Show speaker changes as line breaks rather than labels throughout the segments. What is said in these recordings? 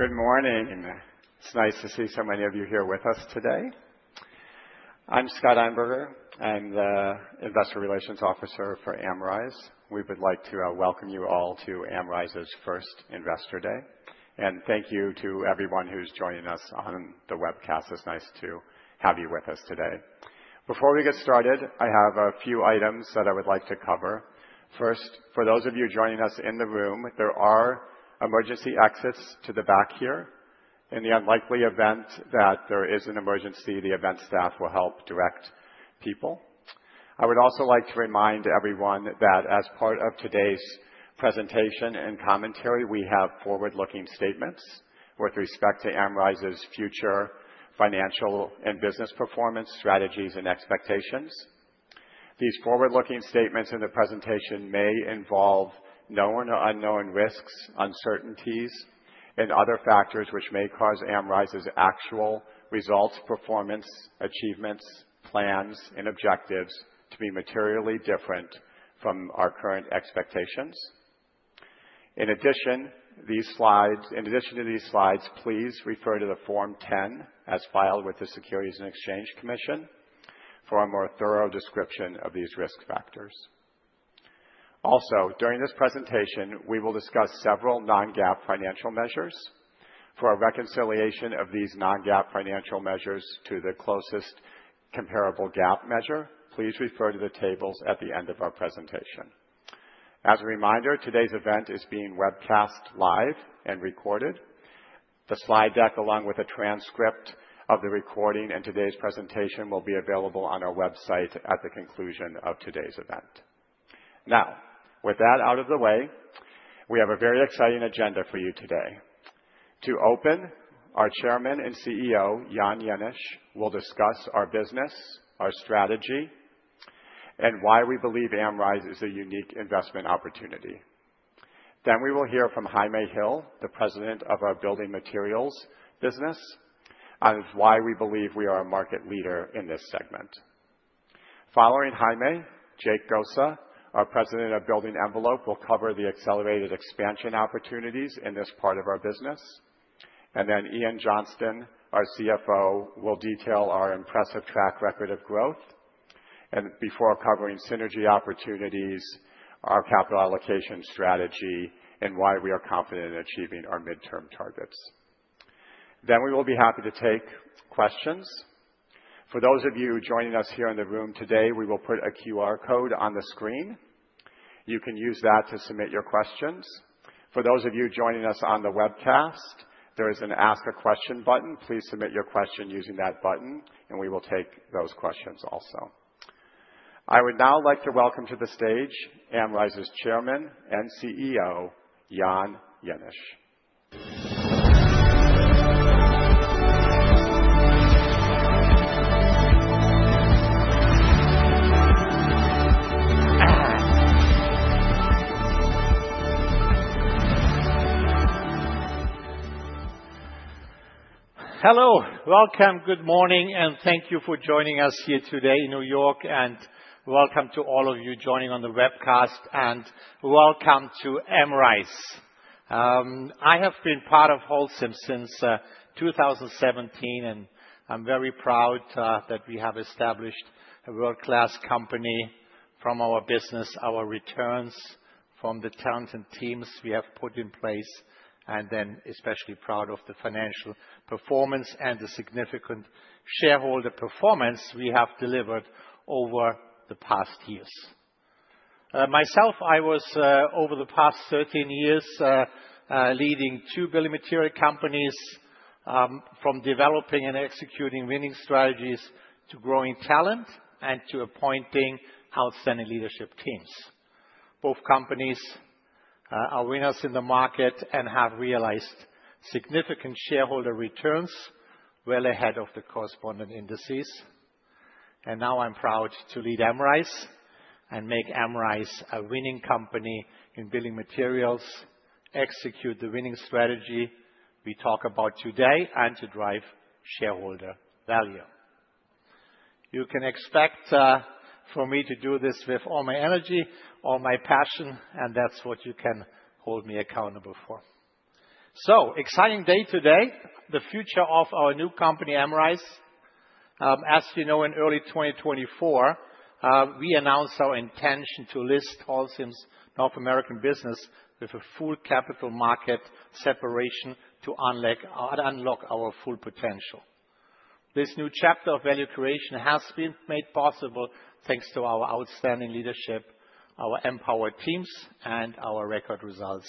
Good morning. It's nice to see so many of you here with us today. I'm Scott Einberger, I'm the Investor Relations Officer for Amrize. We would like to welcome you all to Amrize's first Investor Day and thank you to everyone who's joining us on the webcast. It's nice to have you with us today. Before we get started, I have a few items that I would like to cover. First, for those of you joining us in the room, there are emergency exits to the back here. In the unlikely event that there is an emergency, the event staff will help direct people. I would also like to remind everyone that as part of today's presentation and commentary, we have forward looking statements with respect to Amrize's future financial and business performance strategies and expectations. These forward looking statements in the presentation may involve known or unknown risks, uncertainties and other factors which may cause Amrize's actual results, performance, achievements, plans and objectives to be materially different from our current expectations. In addition to these slides, please refer to the Form 10 as filed with the Securities and Exchange Commission for a more thorough description of these risk factors. Also during this presentation we will discuss several non-GAAP financial measures. For a reconciliation of these non-GAAP financial measures to the closest comparable GAAP measure, please refer to the tables at the end of our presentation. As a reminder, today's event is being webcast live and recorded. The slide deck, along with a transcript of the recording and today's presentation, will be available on our website at the conclusion of today's event. Now with that out of the way, we have a very exciting agenda for you today. To open, our Chairman and CEO Jan Jenisch will discuss our business, our strategy and why we believe Amrize is a unique investment opportunity. Next, we will hear from Jaime Hill, the President of our building materials business, on why we believe we are a market leader. In this segment, following Jaime, Jake Gosa, our President of Building Envelope, will cover the accelerated expansion opportunities in this part of our business. Ian Johnston, our CFO, will detail our impressive track record of growth before covering synergy opportunities, our capital allocation strategy and why we are confident in achieving our midterm targets. We will be happy to take questions. For those of you joining us here in the room today, we will put a QR code on the screen. You can use that to submit your questions. For those of you joining us on the webcast, there is an Ask a Question button. Please submit your question using that button and we will take those questions. Also, I would now like to welcome to the stage Amrize's Chairman and CEO Jan Jenisch.
Hello, welcome, good morning and thank you for joining us here today in New York. Welcome to all of you joining on the webcast. Welcome to Amrize. I have been part of Holcim since 2017 and I'm very proud that we have established a world class company from our business. Our returns from the talented teams we have put in place and then especially proud of the financial performance and the significant shareholder performance we have delivered over the past years. Myself, I was over the past 13 years leading two billion material companies. From developing and executing winning strategies to growing talent and to appointing outstanding leadership teams, both companies are winners in the market and have realized significant shareholder returns well ahead of the correspondent indices. I am proud to lead Amrize and make Amrize a winning company in building materials, execute the winning strategy we talk about today and to drive shareholder value. You can expect for me to do this with all my energy, all my passion and that's what you can hold me accountable for. Exciting day today, the future of our new company Amrize. As you know, in early 2024 we announced our intention to list Holcim's North American business with a full capital market separation to unlock our full potential. This new chapter of value creation has been made possible thanks to our outstanding leadership, our empowered teams and our record results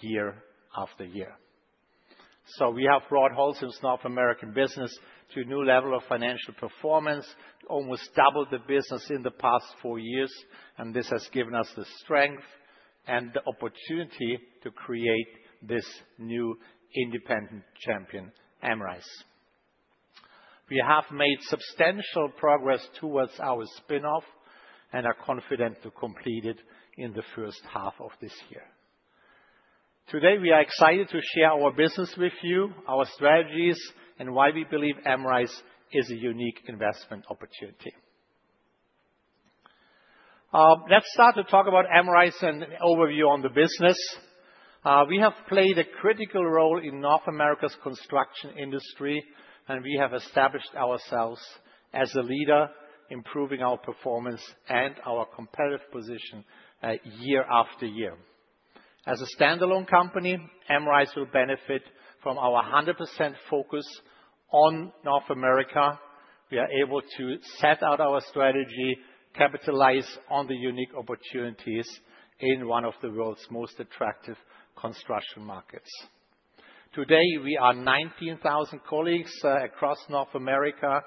year after year. We have brought Holcim's North American business to a new level of financial performance. Almost doubled the business in the past four years. This has given us the strength and the opportunity to create this new independent champion, Amrize. We have made substantial progress towards our spin-off and are confident to complete it in the first half of this year. Today we are excited to share our business with you, our strategies and why we believe Amrize is a unique investment opportunity. Let's start to talk about Amrize and overview on the business. We have played a critical role in North America's construction industry and we have established ourselves as a leader improving our performance and our competitive position year after year. As a standalone company, Amrize will benefit from our 100% focus on North America. We are able to set out our strategy, capitalize on the unique opportunities in one of the world's most attractive construction markets. Today we are 19,000 colleagues across North America.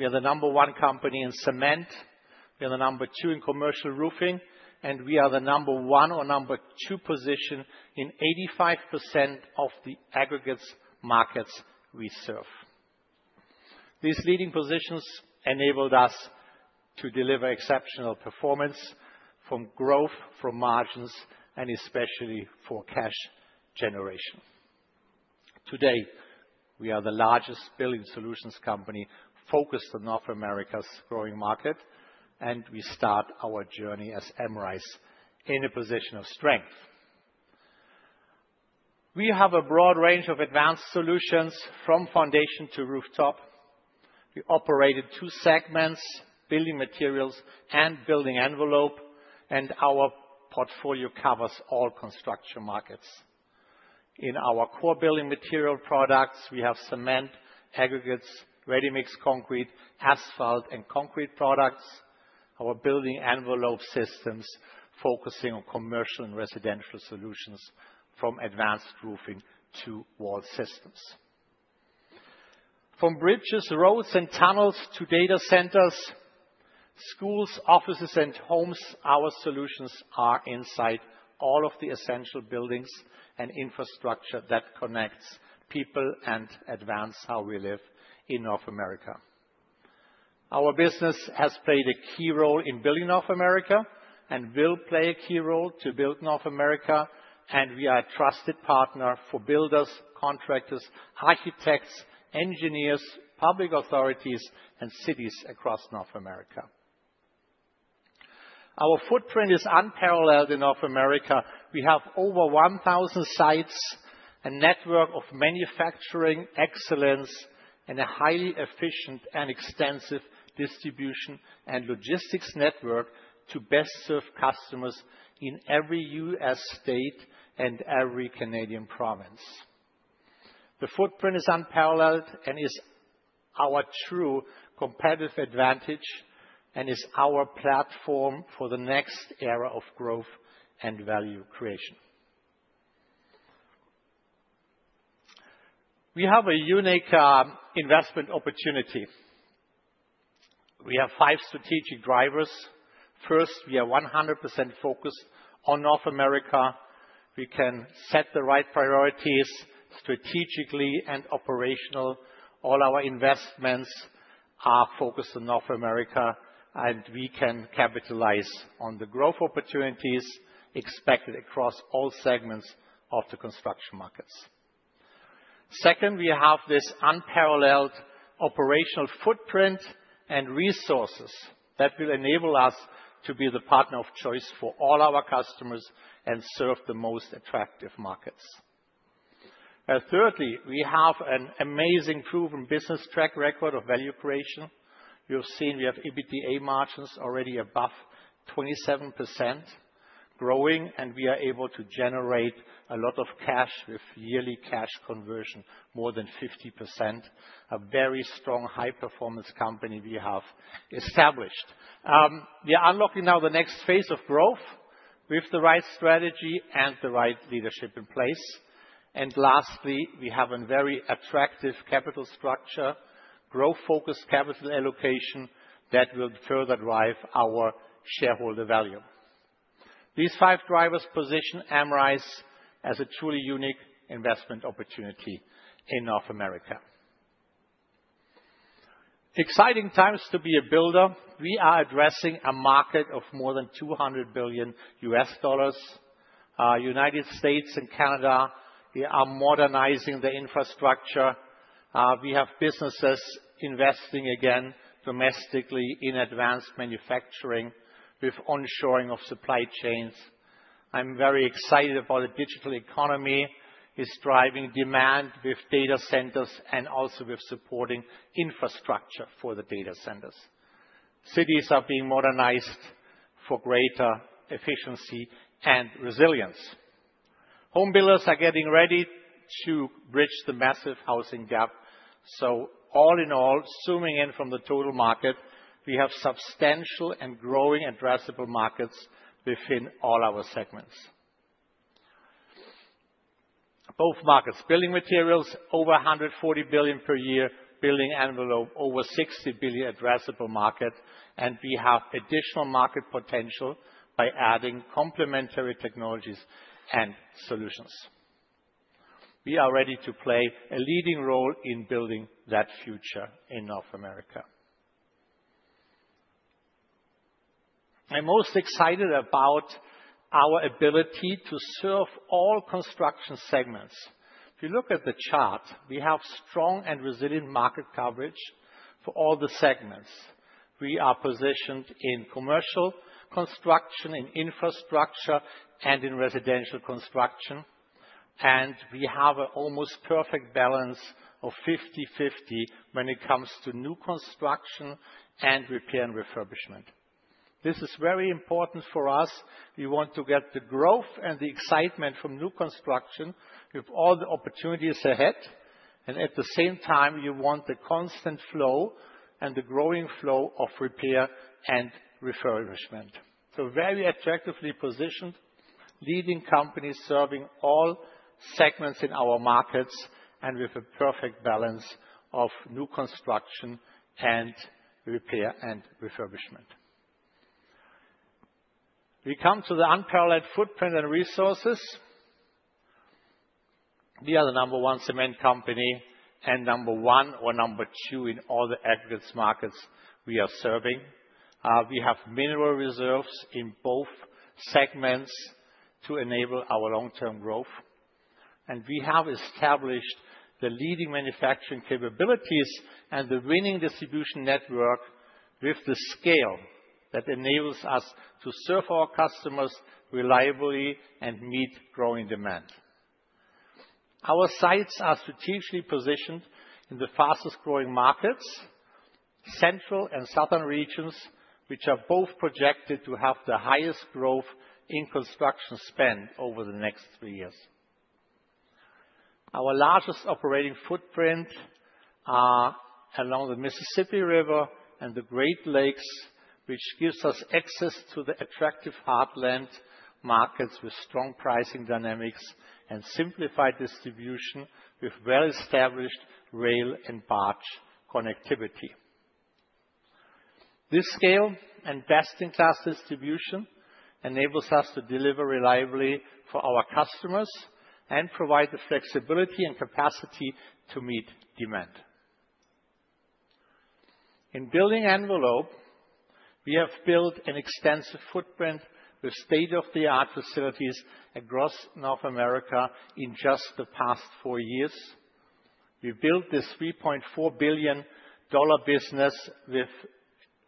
We are the number one company in cement. We are the number two in commercial roofing. We are the number one or number two position in 85% of the aggregates markets we serve. These leading positions enabled us to deliver exceptional performance from growth, from margins and especially for cash generation. Today, we are the largest building solutions company focused on North America's growing market. We start our journey as Amrize in a position of strength. We have a broad range of advanced solutions from foundation to rooftop. We operated two segments, building materials and building envelope, and our portfolio covers all construction markets. In our core building material products, we have cement, aggregates, ready mix, concrete, asphalt, and concrete products. Our building envelope systems focusing on commercial and residential solutions. From advanced roofing to wall systems, from bridges, roads and tunnels to data centers, schools, offices and homes. Our solutions are inside all of the essential buildings and infrastructure that connects people and advance how we live in North America. Our business has played a key role in building North America and will play a key role to build North America. We are a trusted partner for builders, contractors, architects, engineers, public authorities and cities across North America. Our footprint is unparalleled in North America. We have over 1,000 sites, a network of manufacturing excellence and a highly efficient and extensive distribution and logistics network to best serve customers in every U.S. State and every Canadian province. The footprint is unparalleled and is our true competitive advantage and is our platform for the next era of growth and value creation. We have a unique investment opportunity. We have five strategic drivers. First, we are 100% focused on North America. We can set the right priorities strategically and operational. All our investments are focused on North America and we can capitalize on the growth opportunities expected across all segments of the construction markets. Second, we have this unparalleled operational footprint and resources that will enable us to be the partner of choice for all our customers and serve the most attractive markets. Thirdly, we have an amazing proven business track record of value creation. You've seen we have EBITDA margins already above 27% growing and we are able to generate a lot of cash with yearly cash conversion more than 50%. A very strong high performance company. We have established. We are unlocking now the next phase of growth with the right strategy and the right leadership in place. Lastly, we have a very attractive capital structure, growth focused capital allocation that will further drive our shareholder value. These five drivers position Holcim as a truly unique investment opportunity in North America. Exciting times to be a builder. We are addressing a market of more than $200 billion. United States and Canada are modernizing the infrastructure. We have businesses investing again domestically in advanced manufacturing with onshoring of supply chains. I'm very excited about the digital economy. It's driving demand with data centers and also with supporting infrastructure for the data centers. Cities are being modernized for greater efficiency and resilience. Home builders are getting ready to bridge the massive housing gap. All in all, zooming in from the total market, we have substantial and growing addressable markets within all our segments. Both markets, building materials, over $140 billion per year. Building envelope over $60 billion addressable market and we have additional market potential by adding complementary technologies and solutions. We are ready to play a leading role in building that future. In North America. I'm most excited about our ability to serve all construction segments. If you look at the chart, we have strong and resilient market coverage for all the segments. We are positioned in commercial construction, in infrastructure and in residential construction. We have an almost perfect balance of 50-50 when it comes to new construction and repair and refurbishment. This is very important for us. We want to get the growth and the excitement from new construction with all the opportunities ahead and at the same time you want the constant flow and the growing flow of repair and refurbishment very attractively positioned. Leading companies serving all segments in our markets and with a perfect balance of new construction and repair and refurbishment, we come to the unparalleled footprint and resources. We are the number one cement company and number one or number two in all the aggregates markets we are serving. We have mineral reserves in both segments to enable our long term growth. We have established the leading manufacturing capabilities and the winning distribution network with the scale that enables us to serve our customers reliably and meet growing demand. Our sites are strategically positioned in the fastest growing markets, central and southern regions, which are both projected to have the highest growth in construction spend over the next three years. Our largest operating footprint are along the Mississippi River and the Great Lakes which gives us access to the attractive hard land markets with strong pricing dynamics and simplified distribution. With well established rail and barge connectivity, this scale and best in class distribution enables us to deliver reliably for our customers and provide the flexibility and capacity to meet demand. In building envelope we have built an extensive footprint with state of the art facilities across North America. In just the past four years we built this $3.4 billion business with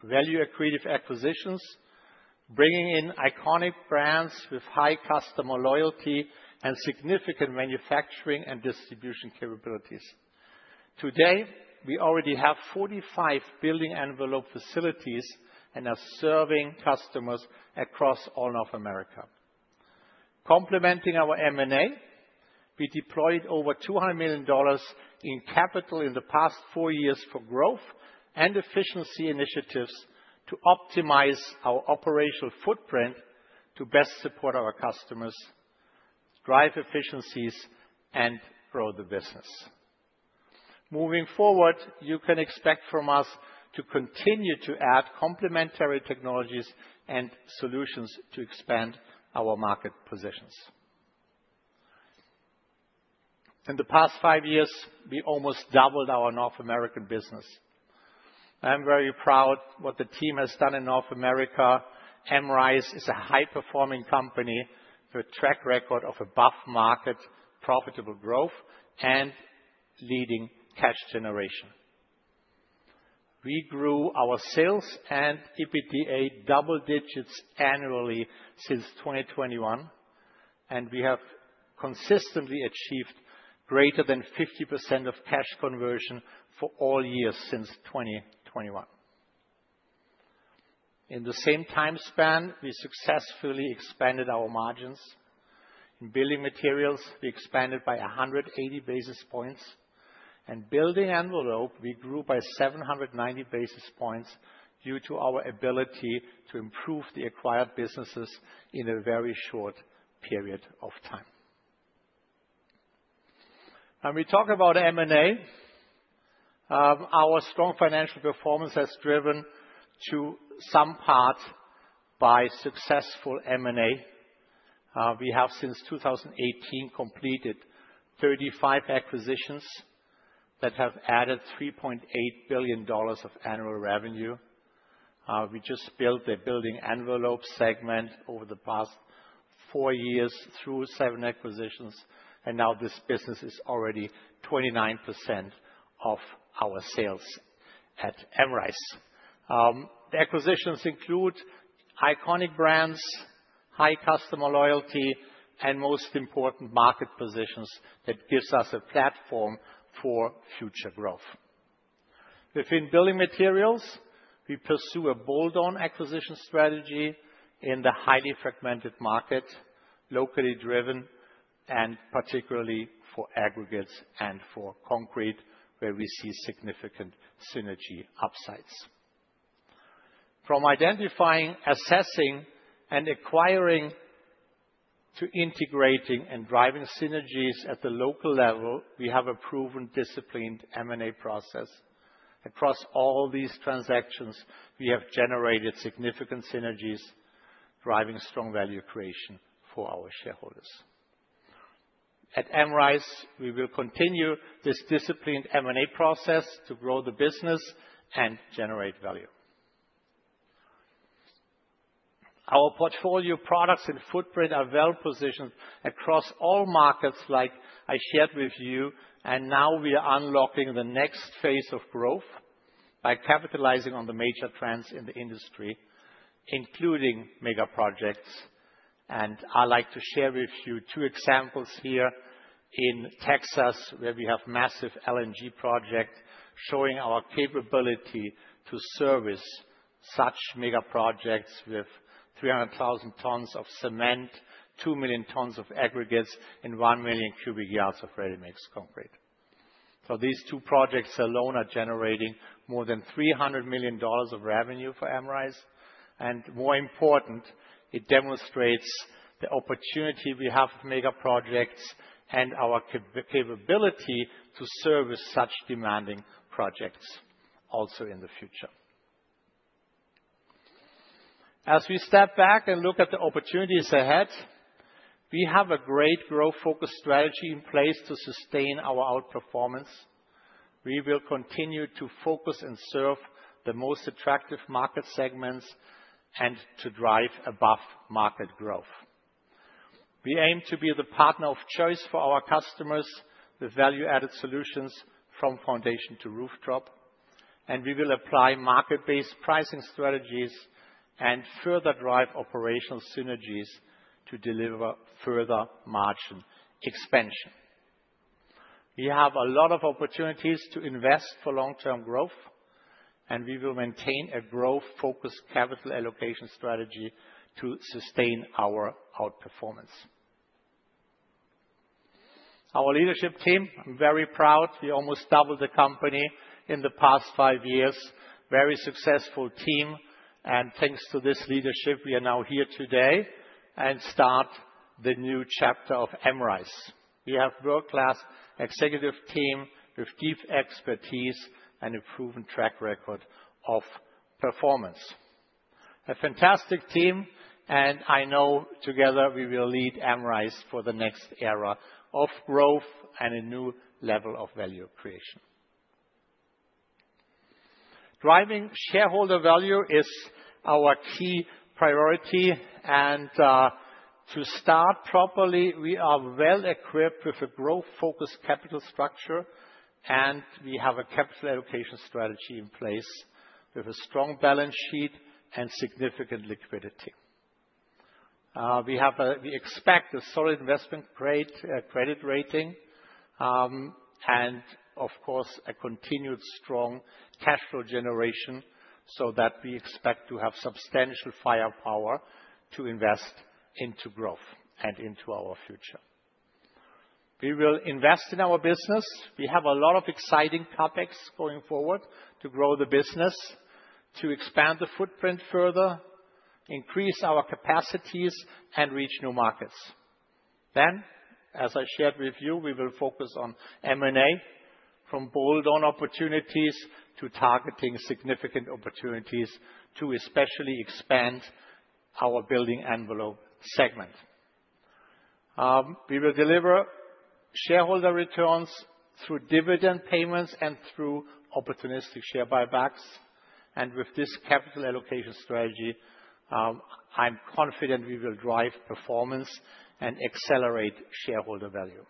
value accretive acquisitions bringing in iconic brands with high customer loyalty and significant manufacturing and distribution capabilities. Today we already have 45 building envelope facilities and are serving customers across all North America. Complementing our M&A, we deployed over $200 million in capital in the past four years for growth and efficiency initiatives to optimize our operational footprint to best support our customers, drive efficiencies and grow the business. Moving forward, you can expect from us to continue to add complementary technologies and solutions to expand our market positions. In the past five years we almost doubled our North American business. I am very proud what the team has done in North America. Holcim is a high performing company with track record of above market profitable growth and leading cash generation. We grew our sales and EBITDA double digits annually since 2021 and we have consistently achieved greater than 50% of cash conversion for all years since 2021. In the same time span, we successfully expanded our margins in building materials. We expanded by 180 basis points and building envelope, we grew by 790 basis points due to our ability to improve the acquired businesses in a very short period of time. When we talk about M&A, our strong financial performance has driven to some part by successful M&A. We have since 2018 completed 35 acquisitions that have added $3.8 billion of annual revenue. We just built a building envelope segment over the past four years through seven acquisitions and now this business is already 29% of our sales. At Amrize, the acquisitions include iconic brands, high customer loyalty and most important market positions. That gives us a platform for future growth. Within building materials, we pursue a bolt on acquisition strategy in the highly fragmented market, locally driven and particularly for aggregates and for concrete where we see significant synergy upsides. From identifying, assessing and acquiring to integrating and driving synergies. At the local level, we have a proven disciplined M&A process. Across all these transactions we have generated significant synergies driving strong value creation for our shareholders. At Amrize, we will continue this disciplined M&A process to grow the business and generate value. Our portfolio, products and footprint are well positioned across all markets like I shared with you and now we are unlocking the next phase of growth by capitalizing on the major trends in the industry including mega projects. I would like to share with you two examples here in Texas where we have massive LNG projects showing our capability to service such mega projects with 300,000 tons of cement, two million tons of aggregates and one million cubic yards of ready mix concrete. These two projects alone are generating more than $300 million of revenue for Amrize. More important, it demonstrates the opportunity we have with megaprojects and our capability to service such demanding projects. Also, in the future as we step back and look at the opportunities ahead, we have a great growth focused strategy in place to sustain our outperformance. We will continue to focus and serve the most attractive market segments and to drive above market growth. We aim to be the partner of choice for our customers with value added solutions from foundation to rooftop. We will apply market based pricing strategies and further drive operational synergies to deliver further margin expansion. We have a lot of opportunities to invest for long term growth and we will maintain a growth focused capital allocation strategy to sustain our outperformance. Our leadership team I'm very proud. We almost doubled the company in the past five years. Very successful team and thanks to this leadership we are now here today and start the new chapter of Amrize. We have world class executive team with deep expertise and a proven track record of performance. A fantastic team and I know together we will lead Amrize for the next era of growth and a new level of value creation. Driving shareholder value is our key priority and to start properly we are well equipped with a growth focused capital structure and we have a capital allocation strategy in place with a strong balance sheet and significant liquidity. We expect a solid investment credit rating and of course a continued strong cash flow generation so that we expect to have substantial firepower to invest into growth and into our future. We will invest in our business. We have a lot of exciting topics going forward to grow the business, to expand the footprint further, increase our capacities and reach new markets. As I shared with you, we will focus on M&A from bolt-on opportunities to targeting significant opportunities to especially expand our building envelope segment. We will deliver shareholder returns through dividend payments and through opportunistic share buybacks. With this capital allocation strategy, I'm confident we will drive performance and accelerate shareholder value.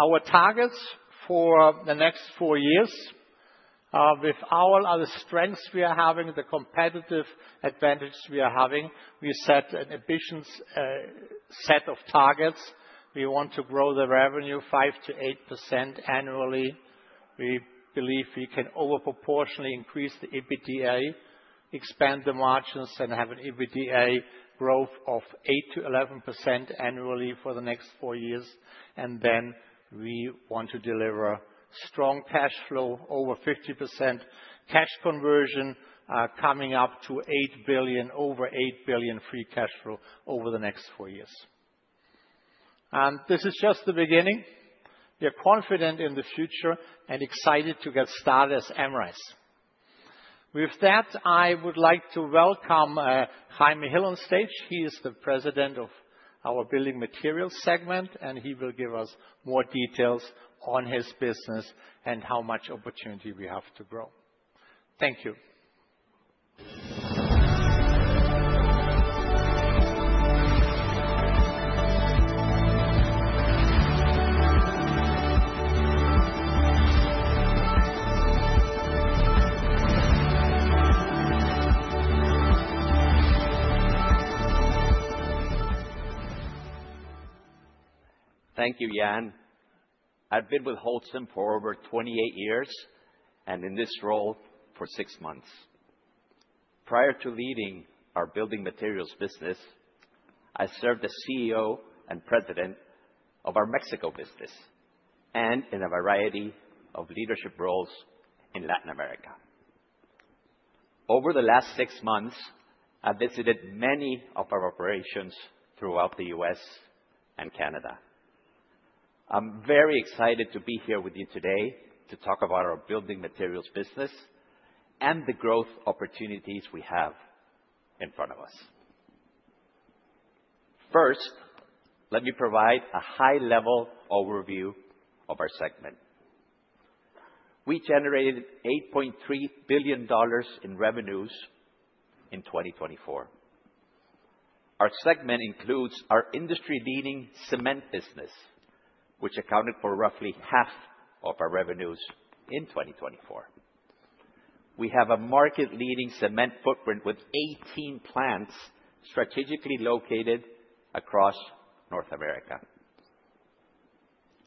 Our targets for the next four years, with all the other strengths we are having, the competitive advantages we are having, we set an ambitious set of targets. We want to grow the revenue 5-8% annually. We believe we can over proportionally increase the EBITDA, expand the margins and have an EBITDA growth of 8%-11% annually for the next four years. We want to deliver strong cash flow. Over 50% cash conversion coming up to $8 billion. Over $8 billion free cash flow over the next four years. This is just the beginning. We are confident in the future and excited to get started as Amrize. With that I would like to welcome Jaime Hill on stage. He is the President of our building materials segment and he will give us more details on his business and how much opportunity we have to grow. Thank you.
Thank you Jan. I've been with Holcim for over 28 years and in this role for six months. Prior to leading our building materials business I served as CEO and President of our Mexico business and in a variety of leadership roles. Latin America over the last six months I visited many of our operations throughout the U.S. and Canada. I'm very excited to be here with you today to talk about our building materials business and the growth opportunities we have in front of us. First, let me provide a high level overview of our segment. We generated $8.3 billion in revenues in 2024. Our segment includes our industry leading cement business which accounted for roughly half of our revenues in 2024. We have a market leading cement footprint with 18 plants strategically located across North America.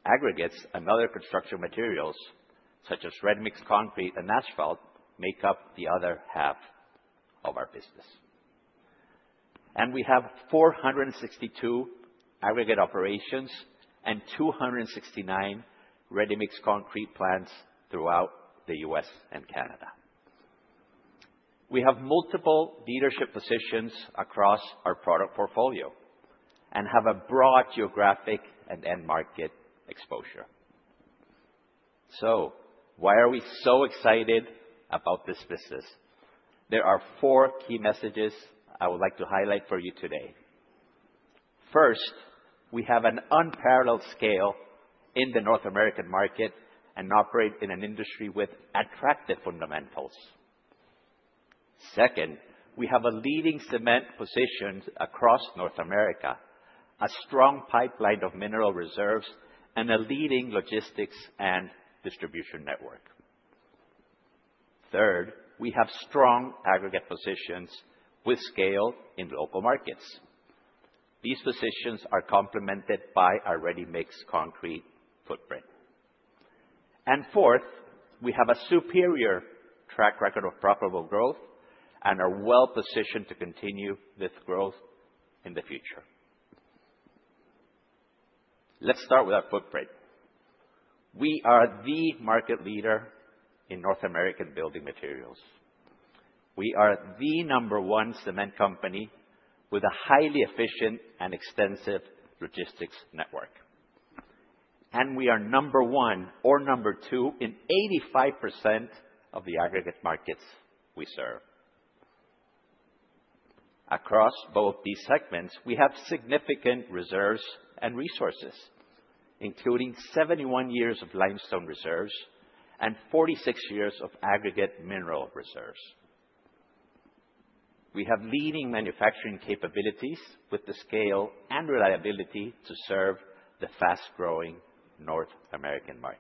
Aggregates and other construction materials such as ready mix, concrete and asphalt make up the other half of our business and we have 462 aggregate operations and 269 ready mix concrete plants throughout the U.S. and Canada. We have multiple leadership positions across our product portfolio and have a broad geographic and end market exposure. Why are we so excited about this business? There are four key messages I would like to highlight for you today. First, we have an unparalleled scale in the North American market and operate in an industry with attractive fundamentals. Second, we have a leading cement position across North America, a strong pipeline of mineral reserves and a leading logistics and distribution network. Third, we have strong aggregate positions with scale in local markets. These positions are complemented by our ready mix concrete footprint. Fourth, we have a superior track record of profitable growth and are well positioned to continue this growth in the future. Let's start with our footprint. We are the market leader in North American building materials. We are the number one cement company with a highly efficient and extensive logistics network and we are number one or number two in 85% of the aggregate markets we serve. Across both these segments we have significant reserves and resources including 71 years of limestone reserves and 46 years of aggregate mineral reserves. We have leading manufacturing capabilities with the scale and reliability to serve the fast growing North American market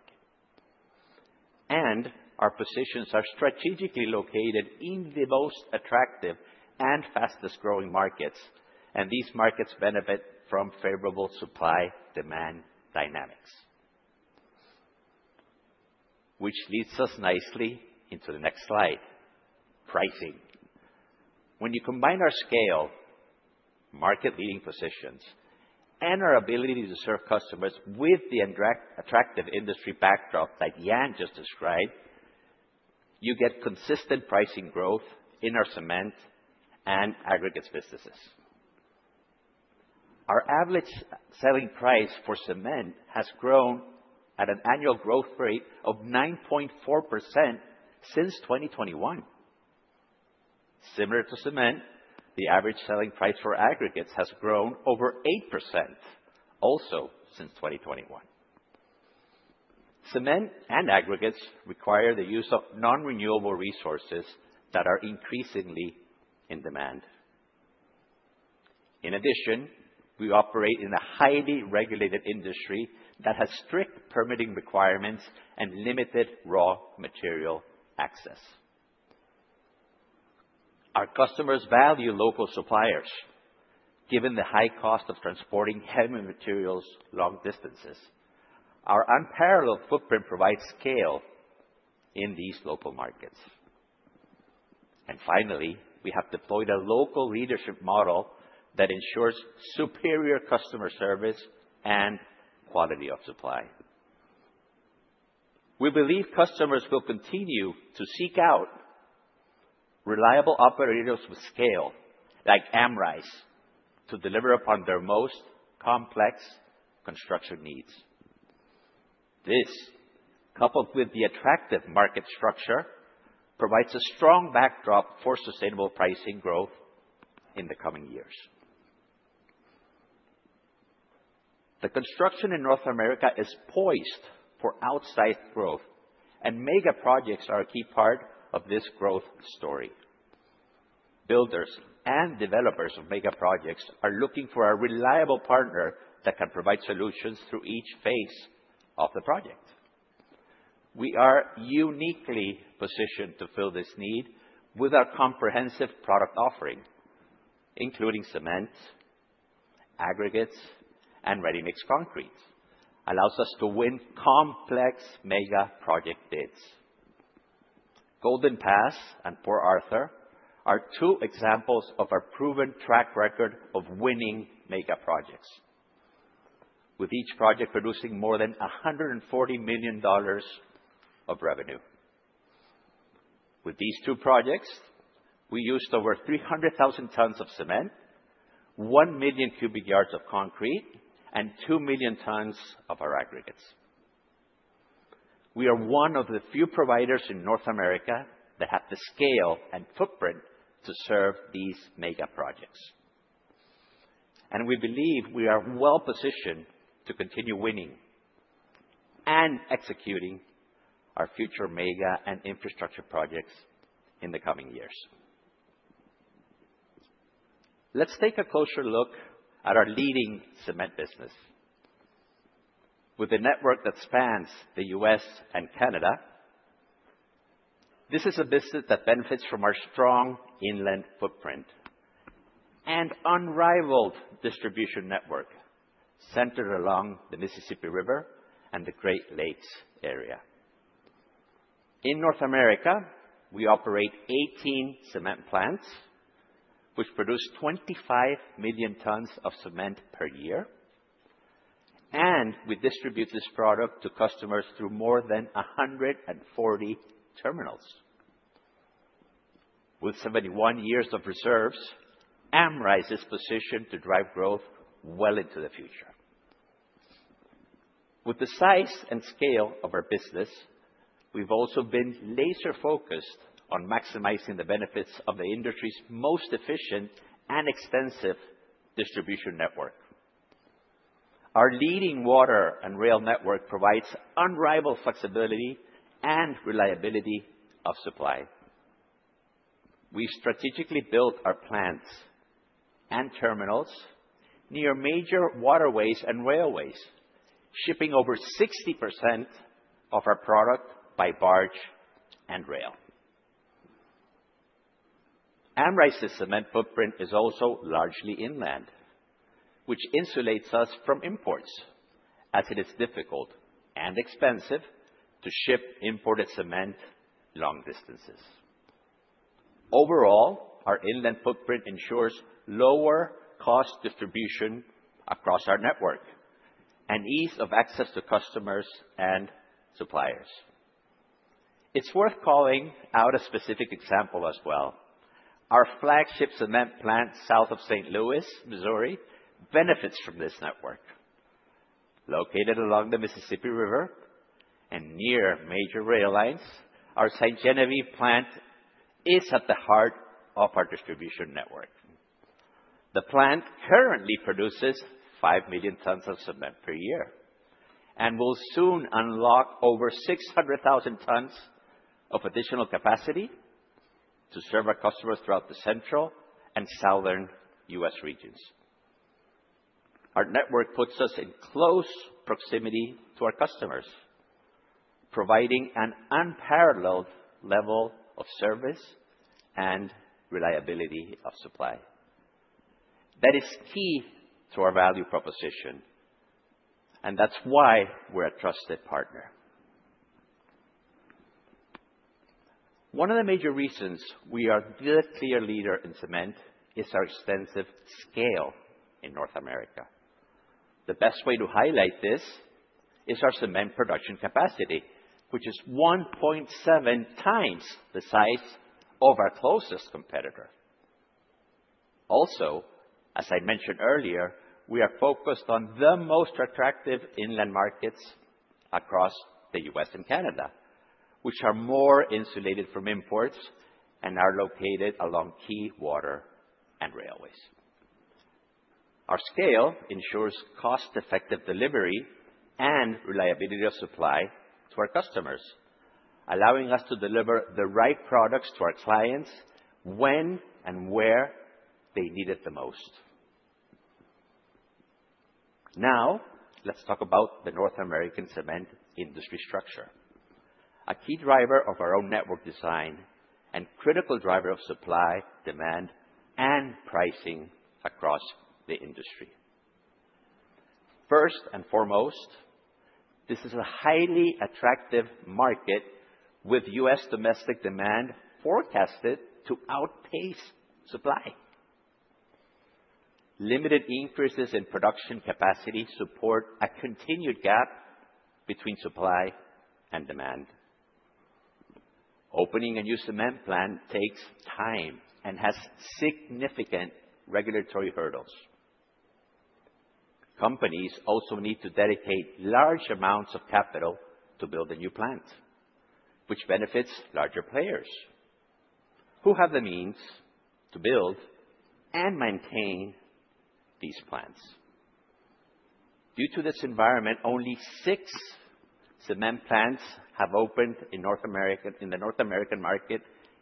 and our positions are strategically located in the most attractive and fastest growing markets and these markets benefit from favorable supply demand dynamics. Which leads us nicely into the next slide. Pricing, when you combine our scale, market leading positions and our ability to serve customers with the attractive industry backdrop that Jan just described, you get consistent pricing growth in our cement and aggregates businesses. Our average selling price for cement has grown at an annual growth rate of 9.4% since 2021. Similar to cement, the average selling price for aggregates has grown over 8% also since 2021. Cement and aggregates require the use of non renewable resources that are increasingly in demand. In addition, we operate in a highly regulated industry that has strict permitting requirements and limited raw material access. Our customers value local suppliers given the high cost of transporting them and materials long distances. Our unparalleled footprint provides scale in these local markets. Finally, we have deployed a local leadership model that ensures superior customer service and quality of supply. We believe customers will continue to seek out reliable operators with scale like Holcim to deliver upon their most complex construction needs. This, coupled with the attractive market structure, provides a strong backdrop for sustainable pricing growth in the coming years. Construction in North America is poised for outside growth and megaprojects are a key part of this growth story. Builders and developers of megaprojects are looking for a reliable partner that can provide solutions through each phase of the project. We are uniquely positioned to fill this need with our comprehensive product offering including cement, aggregates, and ready mix. Concrete allows us to win complex megaproject bids. Golden Pass and Port Arthur are two examples of our proven track record of winning mega projects with each project producing more than $140 million of revenue. With these two projects, we used over 300,000 tons of cement, 1 million cubic yards of concrete, and 2 million tons of our aggregates. We are one of the few providers in North America that have the scale and footprint to serve these mega projects and we believe we are well positioned to continue winning and executing our future mega and infrastructure projects in the coming years. Let's take a closer look at our leading cement business. With a network that spans the U.S. and Canada, this is a business that benefits from our strong inland footprint and unrivaled distribution network centered along the Mississippi River and the Great Lakes area in North America. We operate 18 cement plants which produce 25 million tons of cement per year and we distribute this product to customers through more than 140 terminals. With 71 years of reserves, Holcim is positioned to drive growth well into the future. With the size and scale of our business, we've also been laser focused on maximizing the benefits of the industry's most efficient and extensive distribution network. Our leading water and rail network provides unrivaled flexibility and reliability of supply. We strategically built our plants and terminals near major waterways and railways, shipping over 60% of our product by barge and rail. Amrize's cement footprint is also largely inland, which insulates us from imports as it is difficult and expensive to ship imported cement long distances. Overall, our inland footprint ensures lower cost distribution across our network and ease of access to customers and suppliers. It's worth calling out a specific example as well. Our flagship cement plant south of St. Louis, Missouri benefits from this network. Located along the Mississippi River and near major rail lines, our St. Genevieve plant is at the heart of our distribution network. The plant currently produces 5 million tons of cement per year and will soon unlock over 600,000 tons of additional capacity to serve our customers throughout the Central and Southern U.S. regions. Our network puts us in close proximity to our customers, providing an unparalleled level of service and reliability of supply that is key to our value proposition and that's why we're a trusted partner. One of the major reasons we are the clear leader in cement is our extensive scale in North America. The best way to highlight this is our cement production capacity, which is 1.7 times the size of our closest competitor. Also, as I mentioned earlier, we are focused on the most attractive inland markets across the U.S. and Canada, which are more insulated from imports and are located along key water and railways. Our scale ensures cost-effective delivery and reliability of supply to our customers, allowing us to deliver the right products to our clients when and where they need it the most. Now, let's talk about the North American cement industry structure, a key driver of our own network design and critical driver of supply, demand, and pricing across the industry. First and foremost, this is a highly attractive market. With U.S. domestic demand forecasted to outpace supply, limited increases in production capacity support a continued gap between supply and demand. Opening a new cement plant takes time and has significant regulatory hurdles. Companies also need to dedicate large amounts of capital to build a new plant, which benefits larger players who have the means to build and maintain these plants. Due to this environment, only six cement plants have opened in North America. In the North American market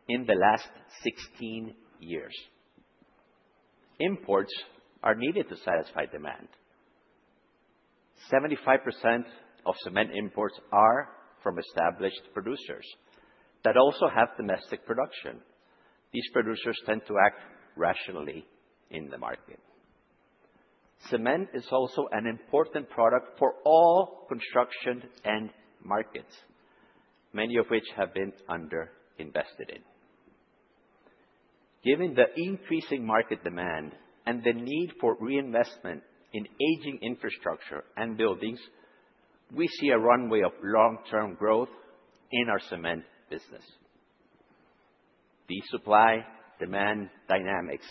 the last 16 years, imports are needed to satisfy demand. 75% of cement imports are from established producers that also have domestic production. These producers tend to act rationally in the market. Cement is also an important product for all construction and markets, many of which have been underinvested in. Given the increasing market demand and the need for reinvestment in aging infrastructure and buildings, we see a runway of long-term growth in our cement business. The supply demand dynamics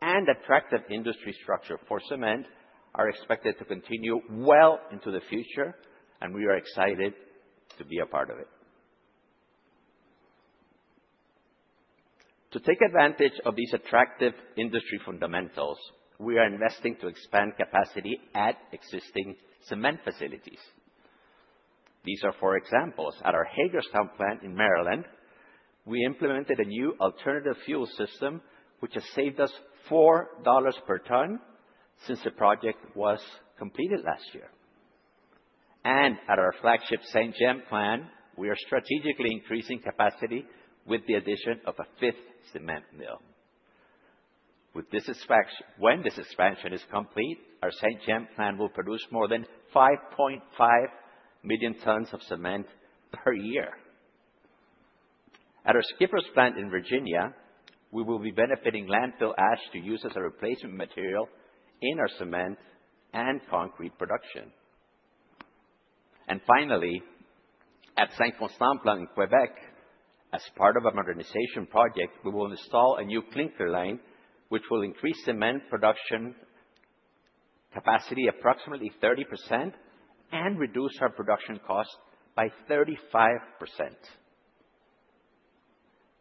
and attractive industry structure for cement are expected to continue well into the future and we are excited to be a part of it. To take advantage of these attractive industry fundamentals, we are investing to expand capacity at existing cement facilities. These are for examples. At our Hagerstown plant in Maryland, we implemented a new alternative fuel system which has saved us $4 per ton since the project was completed last year. At our flagship St. Genevieve plant, we are strategically increasing capacity with the addition of a fifth cement mill. When this expansion is complete, our St. Genevieve plant will produce more than 5.5 million tons of cement per year. At our Skipper's plant in Virginia, we will be benefiting landfill ash to use as a replacement material in our cement and concrete production. And finally, at St. Fontaine plant in Quebec, as part of a modernization project, we will install a new clinker line which will increase cement production capacity approximately 30% and reduce our production cost by 35%.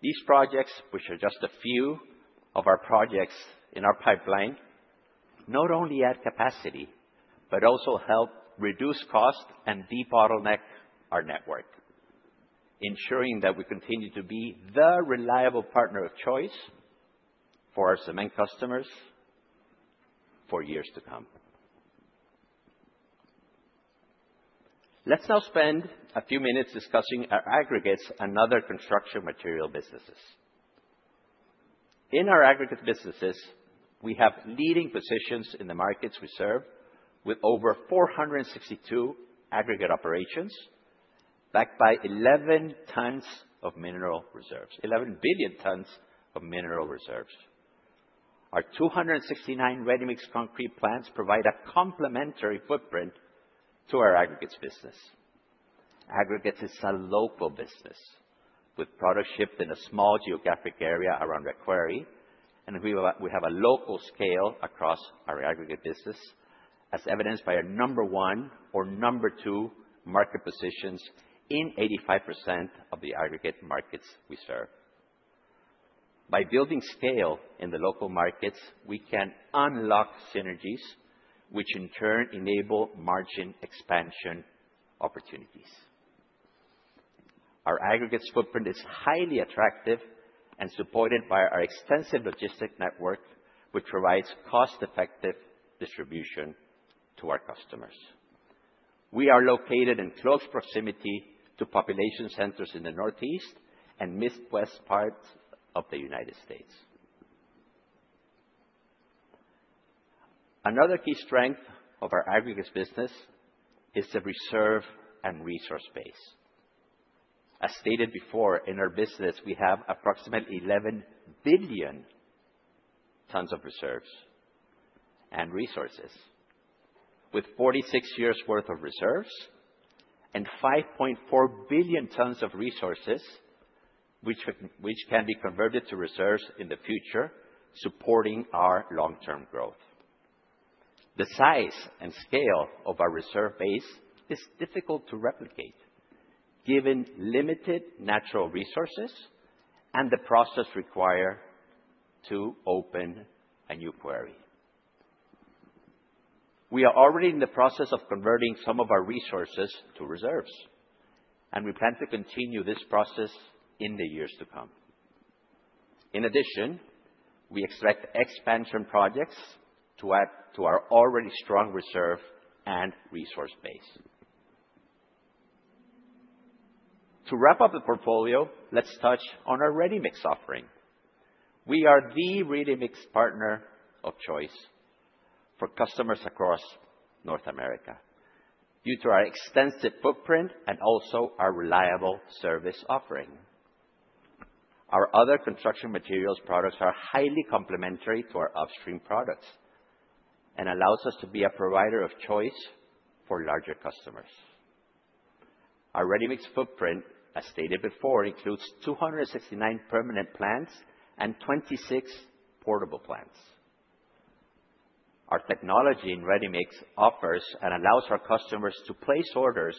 These projects, which are just a few of our projects in our pipeline, not only add capacity but also help reduce cost and debottleneck our network, ensuring that we continue to be the reliable partner of choice for our cement customers for years to come. Let's now spend a few minutes discussing our aggregates and other construction material businesses. In our aggregate businesses we have leading positions in the markets we serve with over 462 aggregate operations backed by 11 billion tons of mineral reserves. Our 269 ready mix concrete plants provide a complementary footprint to our aggregates business. Aggregates is a local business with product shipped in a small geographic area around the quarry and we have a local scale across our aggregate business as evidenced by our number one or number two market positions in 85% of the aggregate markets we serve. By building scale in the local markets, we can unlock synergies which in turn enable margin expansion opportunities. Our aggregates footprint is highly attractive and supported by our extensive logistic network which provides cost effective distribution to our customers. We are located in close proximity to population centers in the Northeast and Midwest parts of the United States. Another key strength of our aggregates business is the reserve and resource base. As stated before, in our business we have approximately 11 billion tons of reserves resources with 46 years worth of reserves and 5.4 billion tons of resources which can be converted to reserves in the future, supporting our long term growth. The size and scale of our reserve base is difficult to replicate given limited natural resources and the process required to open a new quarry. We are already in the process of converting some of our resources to reserves and we plan to continue this process in the years to come. In addition, we expect expansion projects to add to our already strong reserve and resource base. To wrap up the portfolio, let's touch on our Ready Mix offering. We are the Ready Mix partner of choice for customers across North America. Due to our extensive footprint and also our reliable service offering. Our other construction materials products are highly complementary to our upstream products and allows us to be a provider of choice for larger customers. Our Ready Mix footprint, as stated before, includes 269 permanent plants and 26 portable plants. Our technology in Ready Mix offers and allows our customers to place orders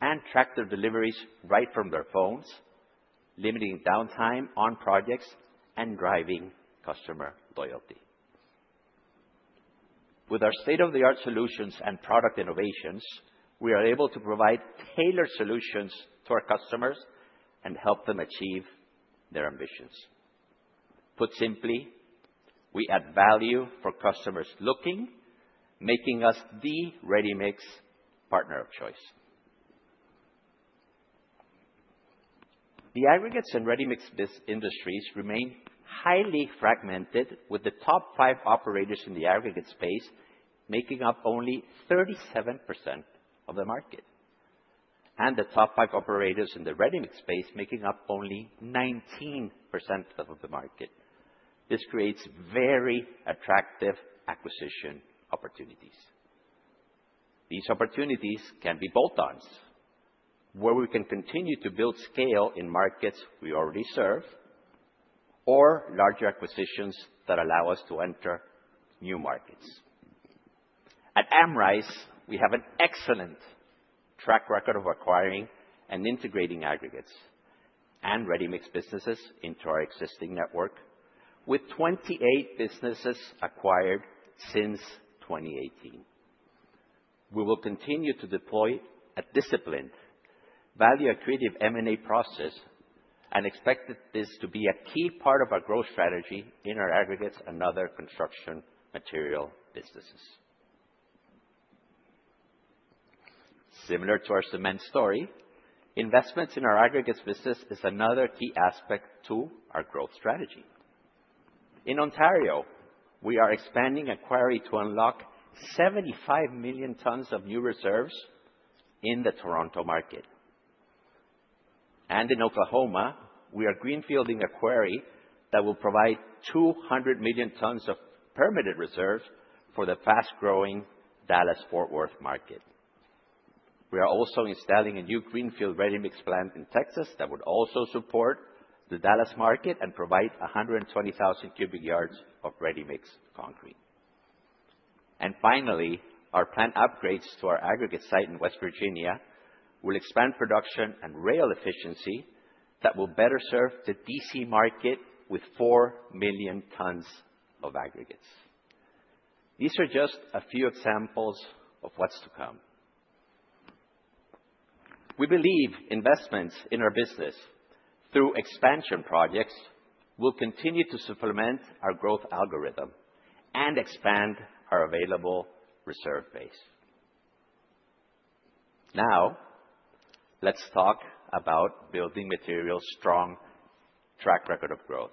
and track their deliveries right from their phones, limiting downtime on projects and driving customer loyalty. With our state-of-the-art solutions and product innovations, we are able to provide tailored solutions to our customers and help them achieve their ambitions. Put simply, we add value for customers looking, making us the Ready Mix partner of choice. The aggregates and ready mix business industries remain highly fragmented with the top five operators in the aggregates space making up only 37% of the market and the top five operators in the ready mix space making up only 19% of the market. This creates very attractive acquisition opportunities. These opportunities can be bolt ons where we can continue to build scale in markets we already serve or larger acquisitions that allow us to enter new markets. At Amrize, we have an excellent track record of acquiring and integrating aggregates and ready mix businesses into our existing network. With 28 businesses acquired since 2018, we will continue to deploy a disciplined value accretive M&A process and expect this to be a key part of our growth strategy in our aggregates and other construction material businesses. Similar to our cement story, investments in our aggregates business is another key aspect to our growth strategy. In Ontario, we are expanding a quarry to unlock 75 million tons of new reserves in the Toronto market, and in Oklahoma, we are green fielding a quarry that will provide 200 million tons of permitted reserves for the fast growing Dallas-Fort Worth market. We are also installing a new greenfield ready mix plant in Texas that would also support the Dallas market and provide 120,000 cubic yards of ready mix concrete. Finally, our plant upgrades to our aggregate site in West Virginia will expand production and rail efficiency that will better serve the D.C. market with 4 million tons of aggregates. These are just a few examples of what's to come. We believe investments in our business through expansion projects will continue to supplement our growth algorithm and expand our available reserve base. Now let's talk about building materials' strong track record of growth.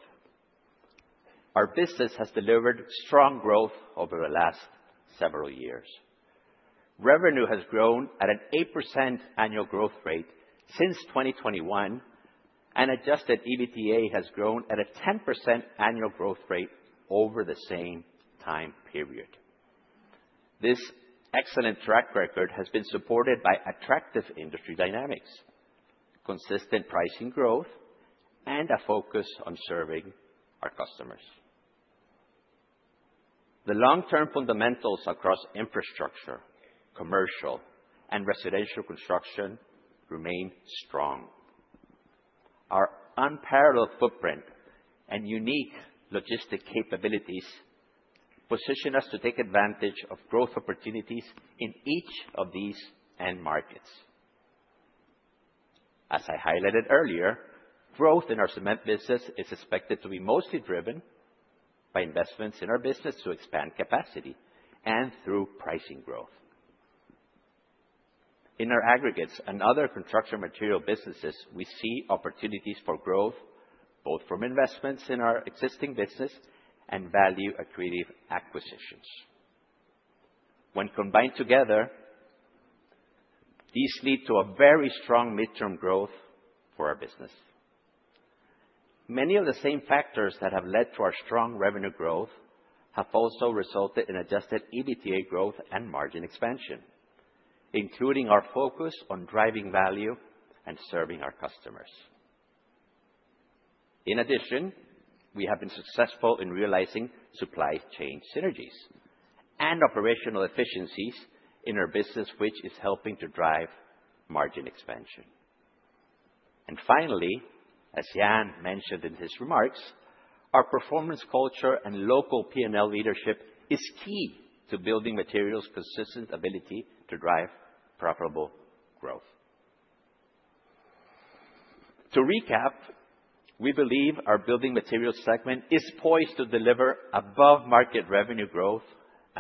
Our business has delivered strong growth over the last several years. Revenue has grown at an 8% annual growth rate since 2021 and adjusted EBITDA has grown at a 10% annual growth rate over the same time period. This excellent track record has been supported by attractive industry dynamics, consistent pricing growth, and a focus on serving our customers the long term. Fundamentals across infrastructure, commercial, and residential construction remain strong. Our unparalleled footprint and unique logistic capabilities position us to take advantage of growth opportunities in each of these end markets. As I highlighted earlier, growth in our cement business is expected to be mostly driven by investments in our business to expand capacity and through pricing growth. In our aggregates and other construction material businesses, we see opportunities for growth both from investments in our existing business and value accretive acquisitions. When combined together, these lead to a very strong midterm growth for our business. Many of the same factors that have led to our strong revenue growth have also resulted in adjusted EBITDA growth and margin expansion including our focus on driving value and serving our customers. In addition, we have been successful in realizing supply chain synergies and operational efficiencies in our business which is helping to drive margin expansion. Finally, as Jan mentioned in his remarks, our performance culture and local P&L leadership is key to building materials consistent ability to drive profitable growth. To recap, we believe our building materials segment is poised to deliver above market revenue growth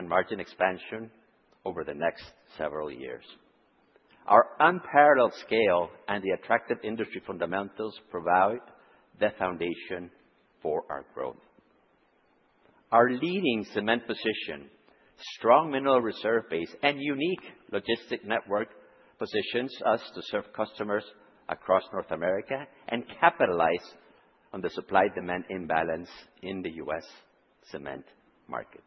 margin expansion over the next several years. Our unparalleled scale and the attractive industry fundamentals provide the foundation for our growth. Our leading cement position, strong mineral reserve base and unique logistic network positions us to serve customers across North America and capitalize on the supply demand imbalance in the U.S. cement market.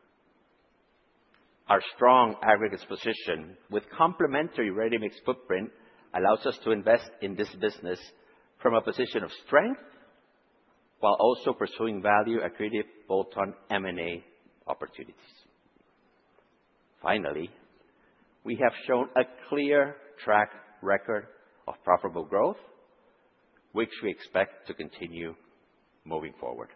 Our strong aggregates position with complementary ready mix footprint allows us to invest in this business from a position of strength while also pursuing value accretive bolt-on M&A opportunities. Finally, we have shown a clear track record of profitable growth which we expect to continue moving forward.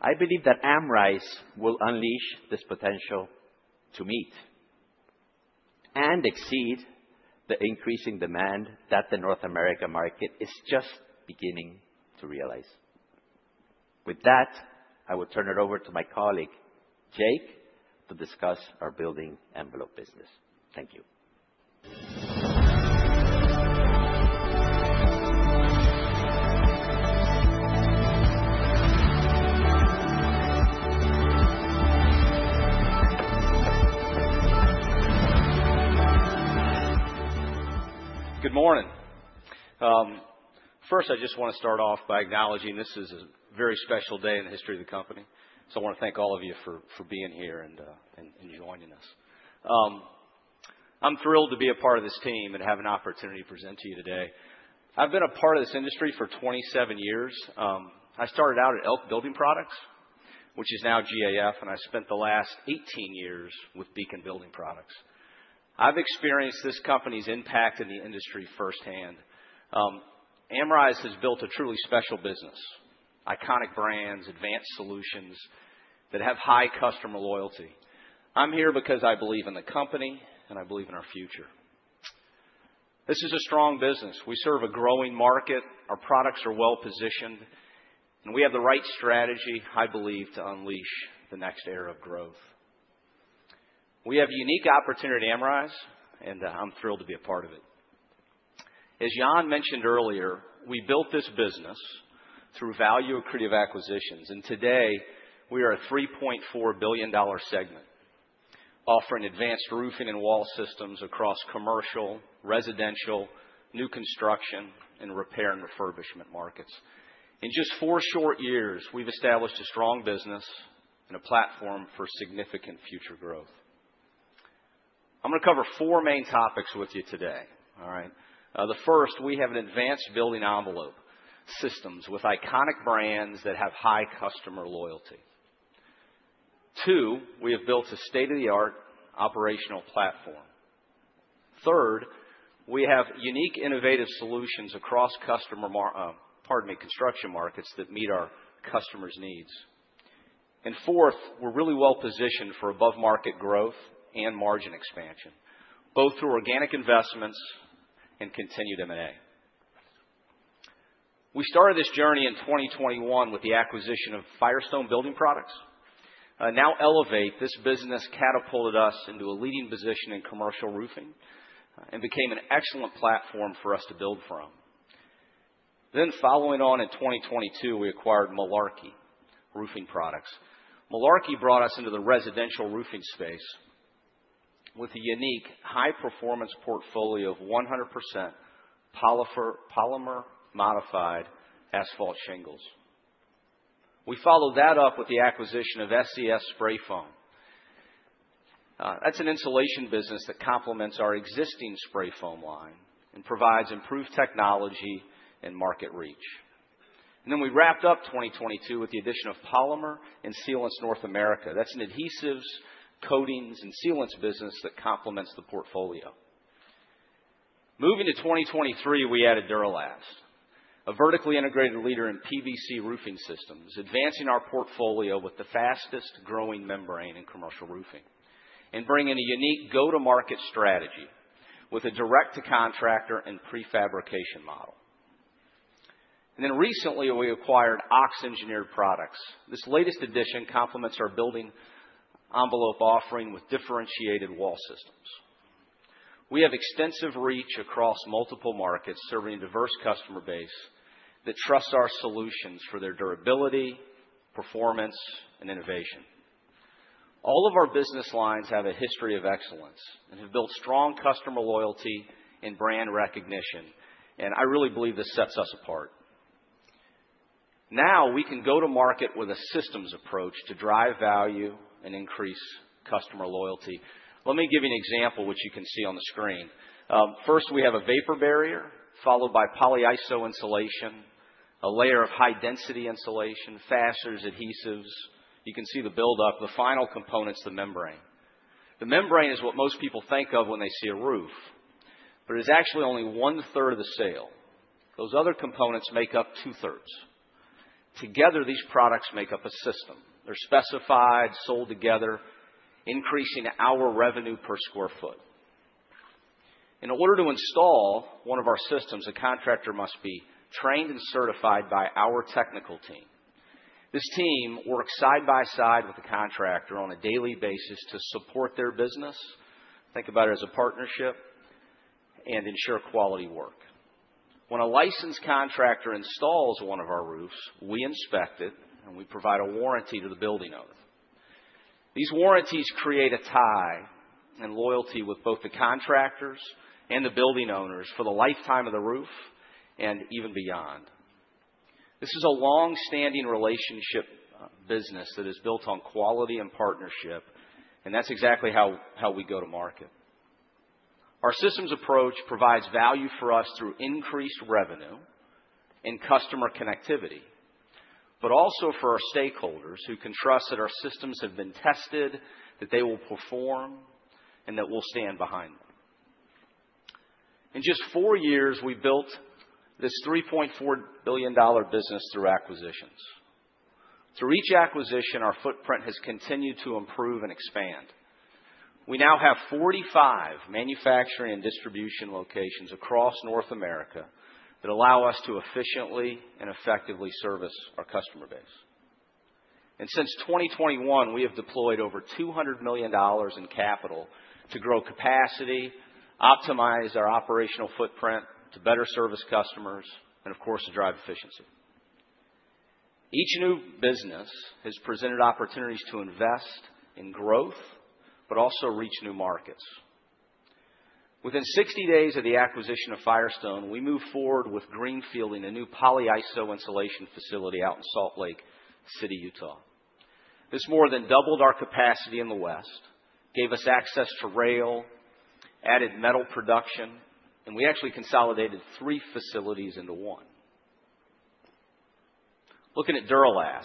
I believe that Amrize will unleash this potential to meet and exceed the increasing demand that the North American market is just beginning to realize. With that, I will turn it over to my colleague Jake to discuss our building envelope business. Thank you.
Good morning. First, I just want to start off by acknowledging this is a very special day in the history of the company. I want to thank all of you for being here and joining us. I'm thrilled to be a part of this team and have an opportunity to present to you today. I've been a part of this industry for 27 years. I started out at Elk Building Products, which is now GAF, and I spent the last 18 years with Beacon Building Products. I've experienced this company's impact in the industry firsthand. Amrize has built a truly special business. Iconic brands, advanced solutions that have high customer loyalty. I'm here because I believe in the company and I believe in our future. This is a strong business. We serve a growing market, our products are well positioned and we have the right strategy I believe to unleash the next era of growth. We have a unique opportunity at Amrize and I'm thrilled to be a part of it. As Jan mentioned earlier, we built this business through value accretive acquisitions and today we are a $3.4 billion segment offering advanced roofing and wall systems across commercial, residential, new construction and repair and refurbishment markets. In just four short years we've established a strong business and a platform for significant future growth. I'm going to cover four main topics with you today. The first, we have an advanced building envelope systems with iconic brands that have high customer loyalty. Two, we have built a state of the art operational platform. Third, we have unique innovative solutions across construction markets that meet our customers' needs. Fourth, we're really well positioned for above market growth and margin expansion both through organic investments and continued M&A. We started this journey in 2021 with the acquisition of Firestone Building Products. Now Elevate, this business catapulted us into a leading position in commercial roofing and became an excellent platform for us to build from then. Following on in 2022, we acquired Malarkey Roofing Products. Malarkey brought us into the residential roofing space with a unique high performance portfolio of 100% polymer-modified asphalt shingles. We followed that up with the acquisition of SES Spray Foam. That's an insulation business that complements our existing spray foam line and provides improved technology and market reach. We wrapped up 2022 with the addition of Polymer and Sealants North America. That's an adhesives, coatings, and sealants business that complements the portfolio. Moving to 2023 we added Dur-Elast, a vertically integrated leader in PVC roofing systems, advancing our portfolio with the fastest growing membrane in commercial roofing. Bringing in a unique go to market strategy with a direct to contractor and prefabrication model. Recently we acquired OX Engineered Products. This latest addition complements our building envelope offering with differentiated wall systems. We have extensive reach across multiple markets serving a diverse customer base that trusts our solutions for their durability, performance, and innovation. All of our business lines have a history of excellence and have built strong customer loyalty and brand recognition, and I really believe this sets us apart. Now we can go to market with a systems approach to drive value and increase customer loyalty. Let me give you an example which you can see on the screen. First we have a vapor barrier followed by Polyiso Insulation, a layer of high density insulation, fasteners, adhesives. You can see the buildup. The final component is the membrane. The membrane is what most people think of when they see a roof, but it is actually only one third of the sale. Those other components make up two thirds. Together, these products make up a system. They are specified, sold together, increasing our revenue per square foot. In order to install one of our systems, a contractor must be trained and certified by our technical team. This team works side by side with the contractor on a daily basis to support their business. Think about it as a partnership and ensure quality work. When a licensed contractor installs one of our roofs, we inspect it and we provide a warranty to the building owner. These warranties create a tie loyalty with both the contractors and the building owners for the lifetime of the roof and even beyond. This is a long standing relationship business that is built on quality and partnership. That is exactly how we go to market. Our systems approach provides value for us through increased revenue and customer connectivity, but also for our stakeholders who can trust that our systems have been tested and that they will perform and that we will stand behind them. In just four years, we built this $3.4 billion business through acquisitions. Through each acquisition, our footprint has continued to improve and expand. We now have 45 manufacturing and distribution locations across North America that allow us to efficiently and effectively service our customer base. Since 2021, we have deployed over $200 million in capital to grow capacity, optimize our operational footprint to better service customers, and of course, to drive efficiency. Each new business has presented opportunities to invest in growth, but also reach new markets. Within 60 days of the acquisition of Firestone Building Products, we moved forward with greenfielding a new Polyiso Insulation facility out in Salt Lake City, Utah. This more than doubled our capacity in the west, gave us access to rail, added metal production, and we actually consolidated three facilities into one. Looking at Dur-Elast,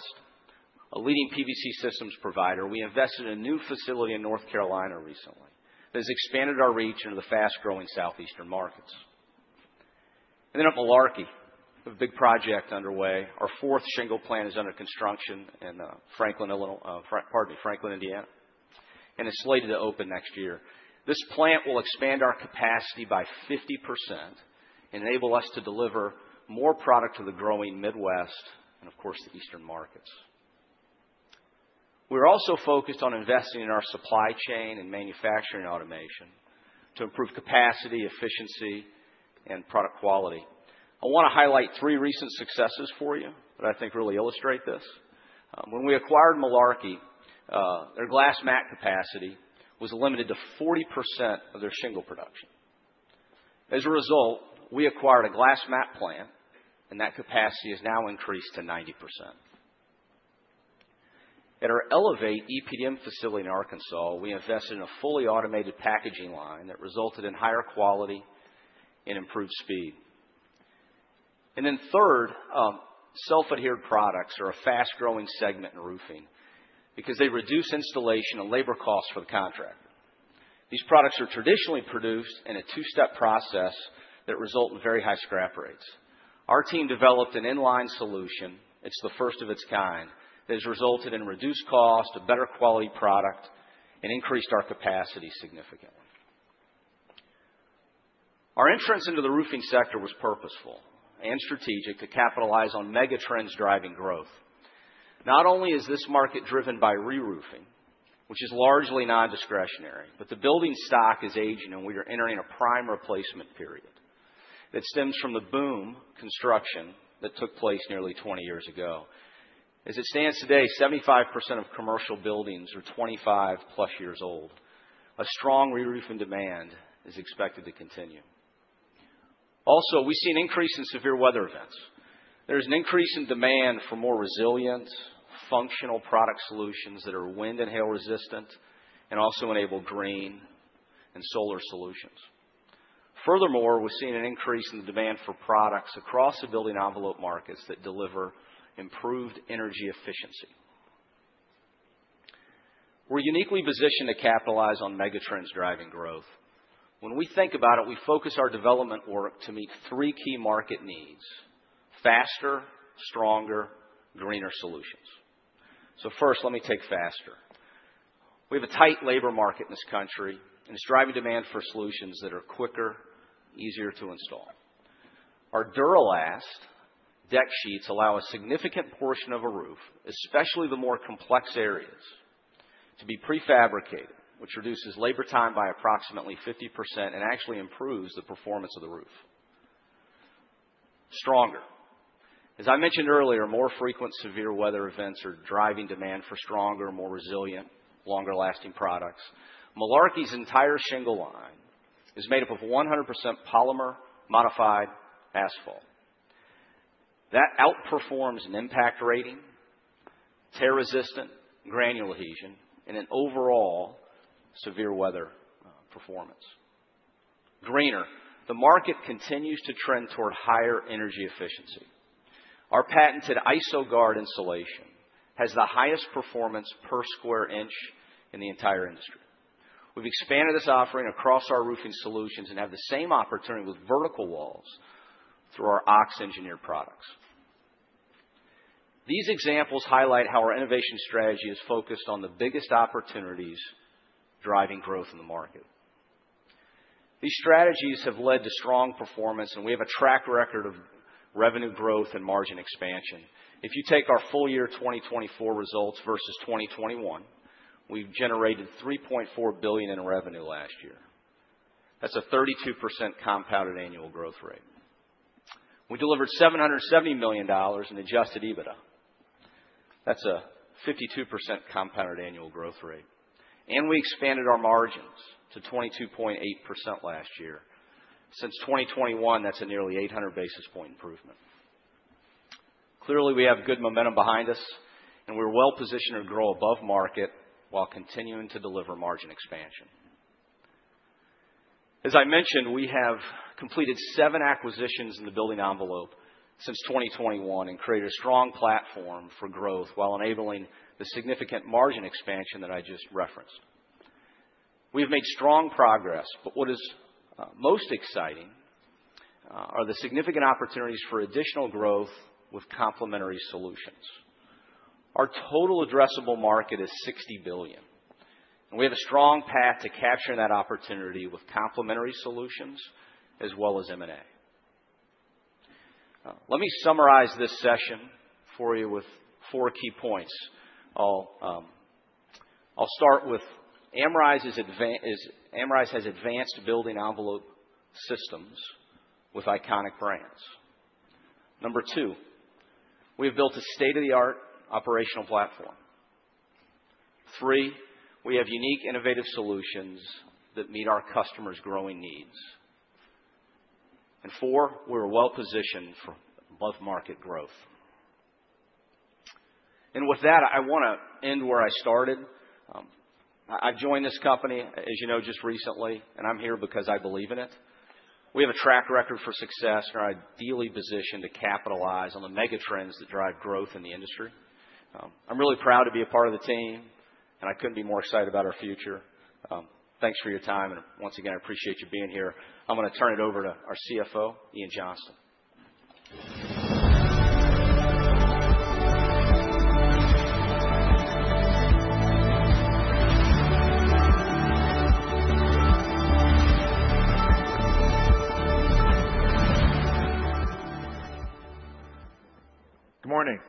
a leading PVC roofing systems provider, we invested in a new facility in North Carolina recently that has expanded our reach into the fast-growing southeastern markets. At Malarkey, a big project is underway. Our fourth shingle plant is under construction in Franklin, Illinois, pardon me, Franklin, Indiana, and it's slated to open next year. This plant will expand our capacity by 50% and enable us to deliver more product to the growing Midwest and of course the eastern markets. We're also focused on investing in our supply chain and manufacturing automation to improve capacity, efficiency and product quality. I want to highlight three recent successes for you that I think really illustrate this. When we acquired Malarkey their glass mat capacity was limited to 40% of their shingle production. As a result we acquired a glass mat plant and that capacity is now increased to 90%. At our Elevate EPDM facility in Arkansas, we invested in a fully automated packaging line that resulted in higher quality and improved speed. Third, self adhered products are a fast growing segment in roofing because they reduce installation and labor costs for the contractor. These products are traditionally produced in a two step process that result in very high scrap rates. Our team developed an inline solution. It's the first of its kind that has resulted in reduced cost, a better quality product and increased our capacity significantly. Our entrance into the roofing sector was purposeful and strategic to capitalize on megatrends driving growth. Not only is this market driven by reroofing which is largely non discretionary, but the building stock is aging and we are entering a prime replacement period that stems from the boom construction that took place nearly 20 years ago. As it stands today, 75% of commercial buildings are 25 plus years old. A strong reroofing demand is expected to continue. Also, we see an increase in severe weather events. There is an increase in demand for more resilient functional product solutions that are wind and hail resistant and also enable green and solar solutions. Furthermore, we're seeing an increase in the demand for products across the building envelope markets that deliver improved energy efficiency. We're uniquely positioned to capitalize on megatrends driving growth when we think about it. We focus our development work to meet three key market faster, stronger, greener solutions. First, let me take faster. We have a tight labor market in this country and it's driving demand for solutions that are quicker, easier to install. Our Dur-A-Last Deck Sheets allow a significant portion of a roof, especially the more complex areas, to be prefabricated, which reduces labor time by approximately 50% and actually improves the performance of the roof. Stronger as I mentioned earlier, more frequent severe weather events are driving demand for stronger, more resilient, longer lasting products. Malarkey's entire shingle line is made up of 100% polymer-modified asphalt that outperforms in impact rating, tear resistance, granular adhesion, and overall severe weather performance. Greener, the market continues to trend toward higher energy efficiency. Our patented IsoGuard insulation has the highest performance per square inch in the entire industry. We've expanded this offering across our roofing solutions and have the same opportunity with vertical walls through our OX Engineered Products. These examples highlight how our innovation strategy is focused on the biggest opportunities driving growth in the market. These strategies have led to strong performance and we have a track record of revenue growth and margin expansion. If you take our full year 2024 results versus 2021, we've generated $3.4 billion in revenue last year. That's a 32% compounded annual growth rate. We delivered $770 million in adjusted EBITDA. That's a 52% compounded annual growth rate and we expanded our margins to 22.8% last year. Since 2021, that's a nearly 800 basis point improvement. Clearly we have good momentum behind us and we're well positioned to grow above market while continuing to deliver margin expansion. As I mentioned, we have completed seven acquisitions in the building envelope since 2021 and created a strong platform for growth while enabling the significant margin expansion that I just referenced. We have made strong progress, but what is most exciting are the significant opportunities for additional growth with complementary solutions. Our total addressable market is $60 billion and we have a strong path to capturing that opportunity with complementary solutions as well as M&A. Let me summarize this session for you with four key points. I'll start with Amrize has advanced building envelope systems with iconic brands. Number two, we have built a state of the art operational platform. Three, we have unique innovative solutions that meet our customers' growing needs. Four, we're well positioned for above market growth. With that, I want to end where I started. I joined this company, as you know, just recently and I'm here because I believe in it. We have a track record for success and are ideally positioned to capitalize on the megatrends that drive growth in the industry. I'm really proud to be a part. Of the team and I couldn't be. More excited about our future. Thanks for your time and once again I appreciate you being here. Going to turn it over to our CFO Ian Johnston.
Good morning.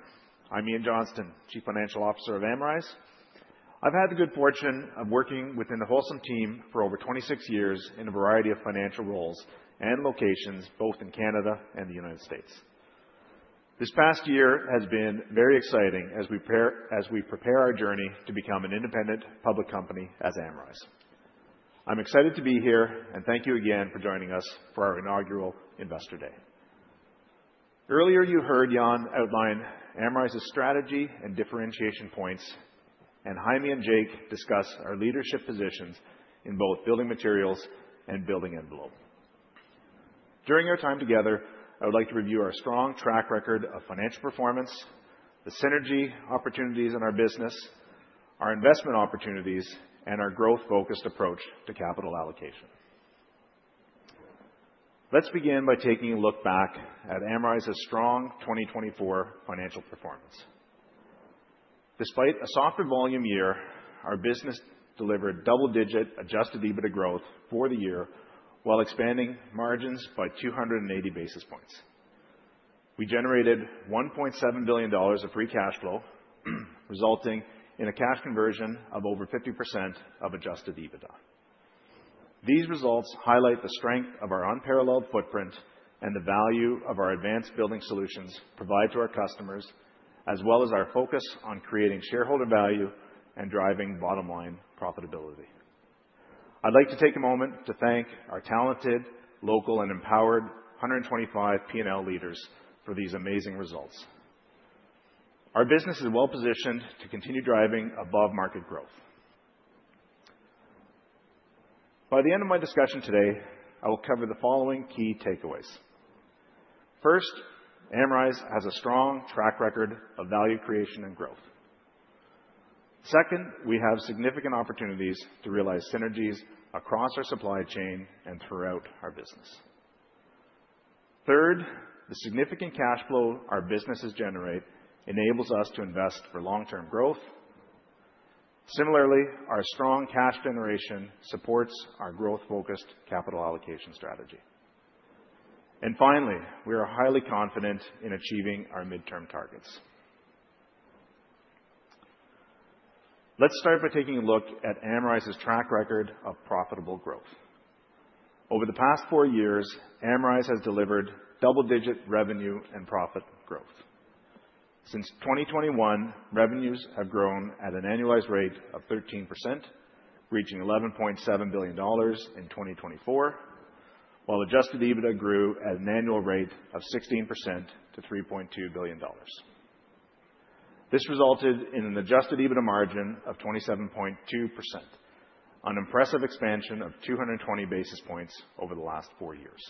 I'm Ian Johnston, Chief Financial Officer of Amrize. I've had the good fortune of working within the Holcim team for over 26 years in a variety of financial roles and locations both in Canada and the United States. This past year has been very exciting as we prepare our journey to become an independent public company as Amrize. I'm excited to be here and thank you again for joining us for our inaugural Investor Day. Earlier you heard Jan outline Amrize's strategy and differentiation points and Jaime and Jake discuss our leadership positions in both building materials and building envelope. During our time together, I would like to review our strong track record of financial performance, the synergy opportunities in our business, our investment opportunities, and our growth-focused approach to capital allocation. Let's begin by taking a look back at Amrize's strong 2024 financial performance. Despite a softer volume year, our business delivered double digit adjusted EBITDA growth for the year while expanding margins by 280 basis points. We generated $1.7 billion of free cash flow resulting in a cash conversion of over 50% of adjusted EBITDA. These results highlight the strength of our unparalleled footprint, the value our advanced building solutions provide to our customers, as well as our focus on creating shareholder value and driving bottom line profitability. I'd like to take a moment to thank our talented, local and empowered 125 P&L leaders for these amazing results. Our business is well positioned to continue driving above market growth. By the end of my discussion today, I will cover the following key takeaways. First, Amrize has a strong track record of value creation and growth. Second, we have significant opportunities to realize synergies across our supply chain and throughout our business. Third, the significant cash flow our businesses generate enables us to invest for long term growth. Similarly, our strong cash generation supports our growth focused capital allocation strategy. Finally, we are highly confident in achieving our midterm targets. Let's start by taking a look at Amrize's track record of profitable growth. Over the past four years, Amrize has delivered double digit revenue and profit growth since 2021. Revenues have grown at an annualized rate of 13% reaching $11.7 billion in 2024, while adjusted EBITDA grew at an annual rate of 16% to $3.2 billion. This resulted in an adjusted EBITDA margin of 27.2%, an impressive expansion of 220 basis points over the last four years.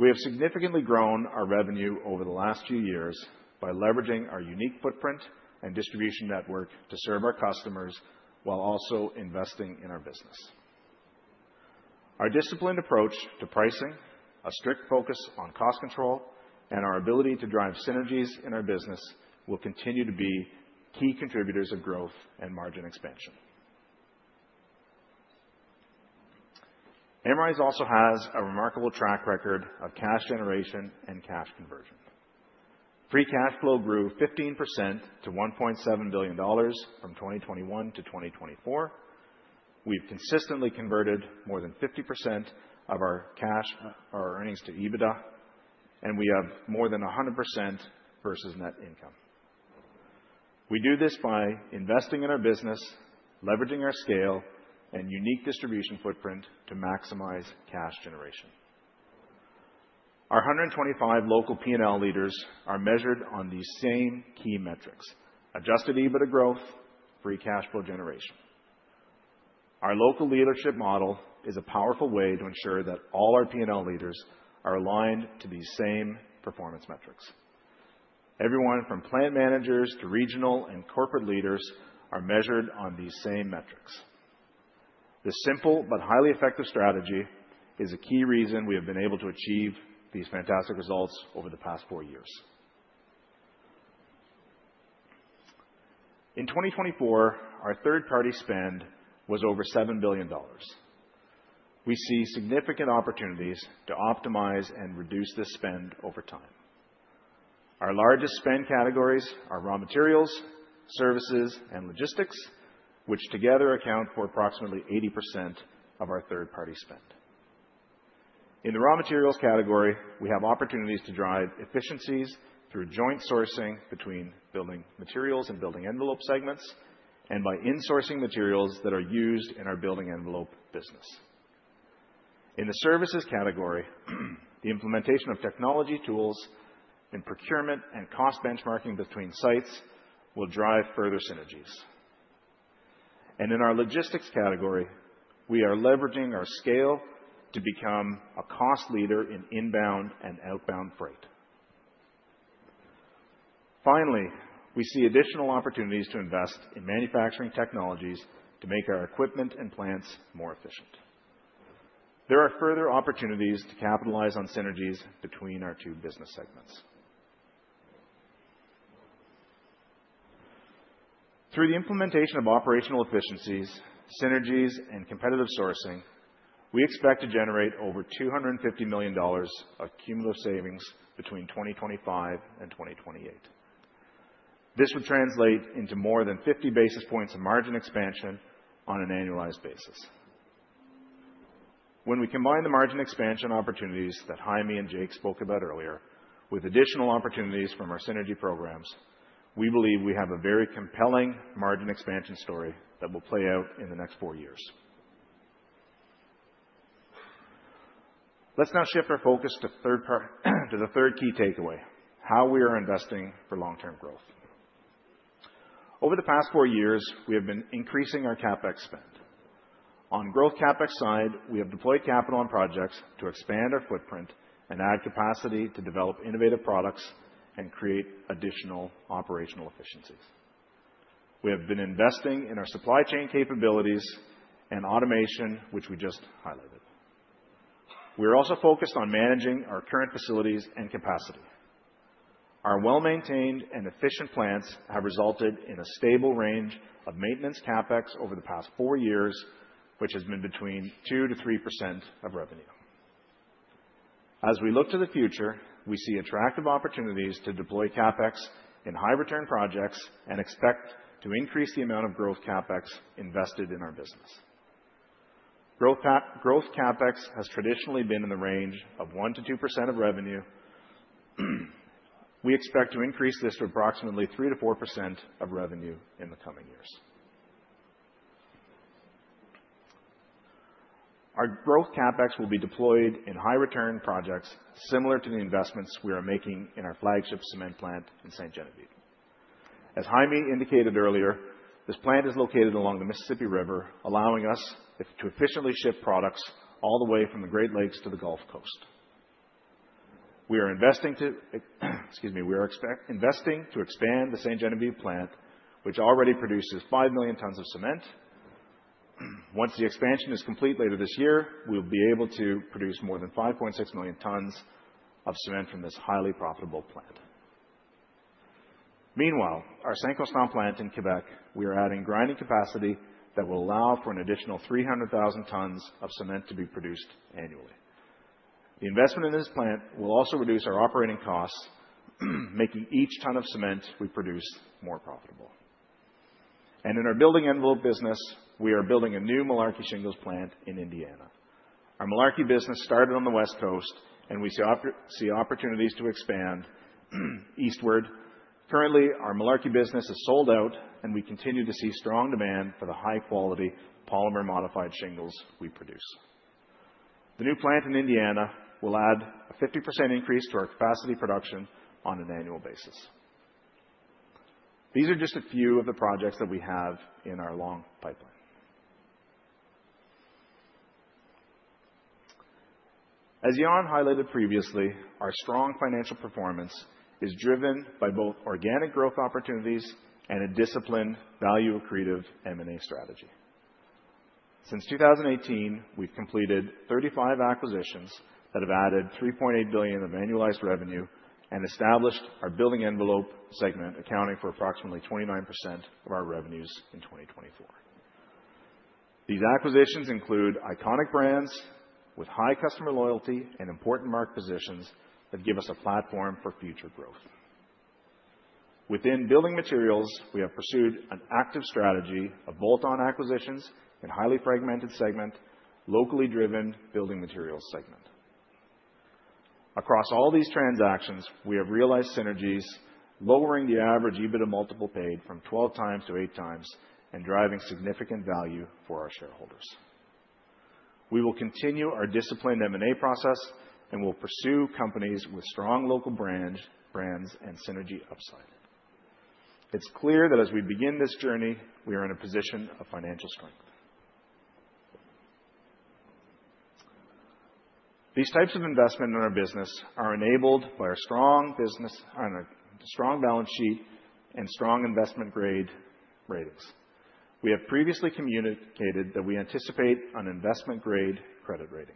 We have significantly grown our revenue over the last few years by leveraging our unique footprint and distribution network to serve our customers while also investing in our business. Our disciplined approach to pricing, a strict focus on cost control and our ability to drive synergies in our business will continue to be key contributors of growth and margin expansion. Amrize also has a remarkable track record of cash generation and cash conversion. Free cash flow grew 15% to $1.7 billion from 2021 to 2024. We've consistently converted more than 50% of our cash or earnings to EBITDA and we have more than 100% versus net income. We do this by investing in our business, leveraging our scale and unique distribution footprint to maximize cash generation. Our 125 local P&L leaders are measured on these same key metrics. Adjusted EBITDA growth, free cash flow generation. Our local leadership model is a powerful way to ensure that all our P&L leaders are aligned to these same performance metrics. Everyone from plant managers to regional and corporate leaders are measured on these same metrics. This simple but highly effective strategy is a key reason we have been able to achieve these fantastic results over the past four years. In 2024, our third party spend was over $7 billion. We see significant opportunities to optimize and reduce this spend over time. Our largest spend categories are raw materials, services and logistics, which together account for approximately 80% of our third party spend. In the raw materials category, we have opportunities to drive efficiencies through joint sourcing between building materials and building envelope segments by insourcing materials that are used in our building envelope business. In the services category, the implementation of technology tools in procurement and cost benchmarking between sites will drive further synergies. In our logistics category, we are leveraging our scale to become a cost leader in inbound and outbound freight. Finally, we see additional opportunities to invest in manufacturing technologies to make our equipment and plants more efficient. There are further opportunities to capitalize on synergies between our two business segments through the implementation of operational efficiencies, synergies, and competitive sourcing. We expect to generate over $250 million of cumulative savings between 2025 and 2028. This would translate into more than 50 basis points of margin expansion on an annualized basis. When we combine the margin expansion opportunities that Jaime and Jake spoke about earlier with additional opportunities from our synergy programs, we believe we have a very compelling margin expansion story that will play out in the next four years. Let's now shift our focus to the third key takeaway, how we are investing for long term growth. Over the past four years we have been increasing our CapEx spend on growth CapEx side we have deployed capital on projects to expand our footprint and add capacity to develop innovative products and create additional operational efficiencies. We have been investing in our supply chain capabilities and automation which we just highlighted. We are also focused on managing our current facilities and capacity. Our well maintained and efficient plants have resulted in a stable range of maintenance CapEx over the past four years which has been between 2-3% of revenue. As we look to the future, we see attractive opportunities to deploy CapEx in high return projects and expect to increase the amount of growth CapEx invested in our business. Growth CapEx has traditionally been in the range of 1-2% of revenue. We expect to increase this to approximately 3-4% of revenue in the coming years. Our growth CapEx will be deployed in high return projects similar to the investments we are making in our flagship cement plant in St. Genevieve. As Jaime indicated earlier, this plant is located along the Mississippi River, allowing us to efficiently ship products all the way from the Great Lakes to the Gulf Coast. We are investing to expand the St. Genevieve plant which already produces 5 million tons of cement. Once the expansion is complete later this year, we will be able to produce more than 5.6 million tons of cement from this highly profitable plant. Meanwhile, at our St. Fontaine plant in Quebec we are adding grinding capacity that will allow for an additional 300,000 tons of cement to be produced annually. The investment in this plant will also reduce our operating costs, making each ton of cement we produce more profitable and in our building envelope business we are building a new Malarkey shingles plant in Indiana. Our Malarkey business started on the West Coast and we see opportunities to expand eastward. Currently, our Malarkey business is sold out and we continue to see strong demand for the high quality polymer-modified shingles we produce. The new plant in Indiana will add a 50% increase to our capacity production on an annual basis. These are just a few of the projects that we have in our long pipeline. As Jan highlighted previously, our strong financial performance is driven by both organic growth opportunities and a disciplined value accretive M&A strategy. Since 2018, we've completed 35 acquisitions that have added $3.8 billion of annualized revenue and established our building envelope segment accounting for approximately 29% of our revenues in 2024. These acquisitions include iconic brands with high customer loyalty and important market positions that give us a platform for future growth. Within building materials, we have pursued an active strategy of bolt-on acquisitions in a highly fragmented, locally driven building materials segment. Across all these transactions we have realized synergies, lowering the average EBITDA multiple paid from 12 times to 8 times and driving significant value for our shareholders. We will continue our disciplined M&A process and will pursue companies with strong local brands and synergy upside. It's clear that as we begin this journey we are in a position of financial strength. These types of investment in our business are enabled by our strong business on a strong balance sheet and strong investment grade ratings. We have previously communicated that we anticipate an investment grade credit rating.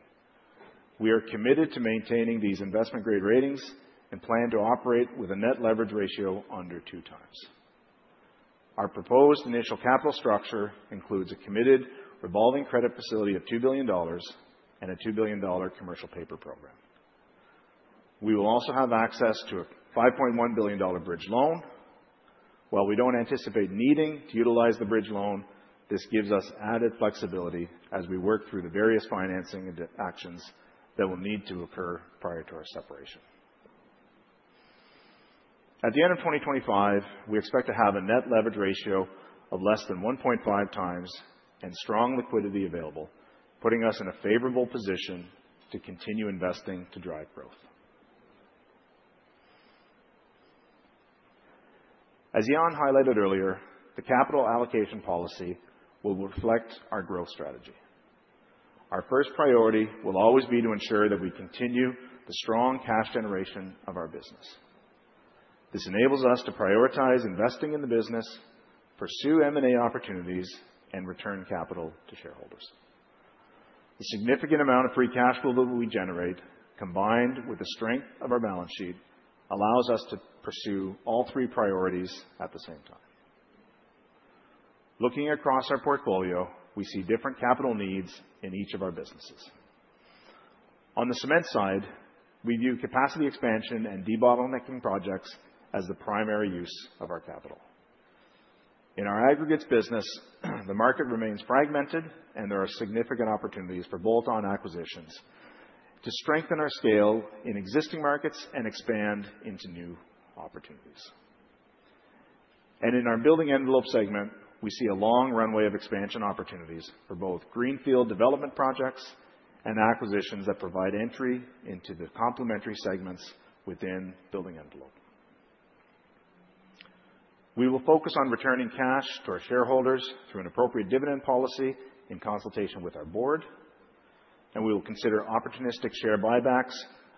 We are committed to maintaining these investment grade ratings and plan to operate with a net leverage ratio under two times. Our proposed initial capital structure includes a committed revolving credit facility of $2 billion and a $2 billion commercial paper program. We will also have access to a $5.1 billion bridge loan. While we do not anticipate needing to utilize the bridge loan, this gives us added flexibility as we work through the various financing actions that will need to occur prior to our separation. At the end of 2025, we expect to have a net leverage ratio of less than 1.5 times and strong liquidity available, putting us in a favorable position to continue investing to drive growth. As Jan highlighted earlier, the capital allocation policy will reflect our growth strategy. Our first priority will always be to ensure that we continue the strong cash generation of our business. This enables us to prioritize investing in the business, pursue M&A opportunities and return capital to shareholders. The significant amount of free cash flow that we generate combined with the strength of our balance sheet allows us to pursue all three priorities at the same time. Looking across our portfolio, we see different capital needs in each of our businesses. On the cement side, we view capacity expansion and debottlenecking projects as the primary use of our capital. In our aggregates business, the market remains fragmented and there are significant opportunities for bolt-on acquisitions to strengthen our scale in existing markets and expand into new opportunities. In our Building Envelope segment, we see a long runway of expansion opportunities for both greenfield development projects and acquisitions that provide entry into the complementary segments. Within Building Envelope, we will focus on returning cash to our shareholders through an appropriate dividend policy in consultation with our board and we will consider opportunistic share buybacks,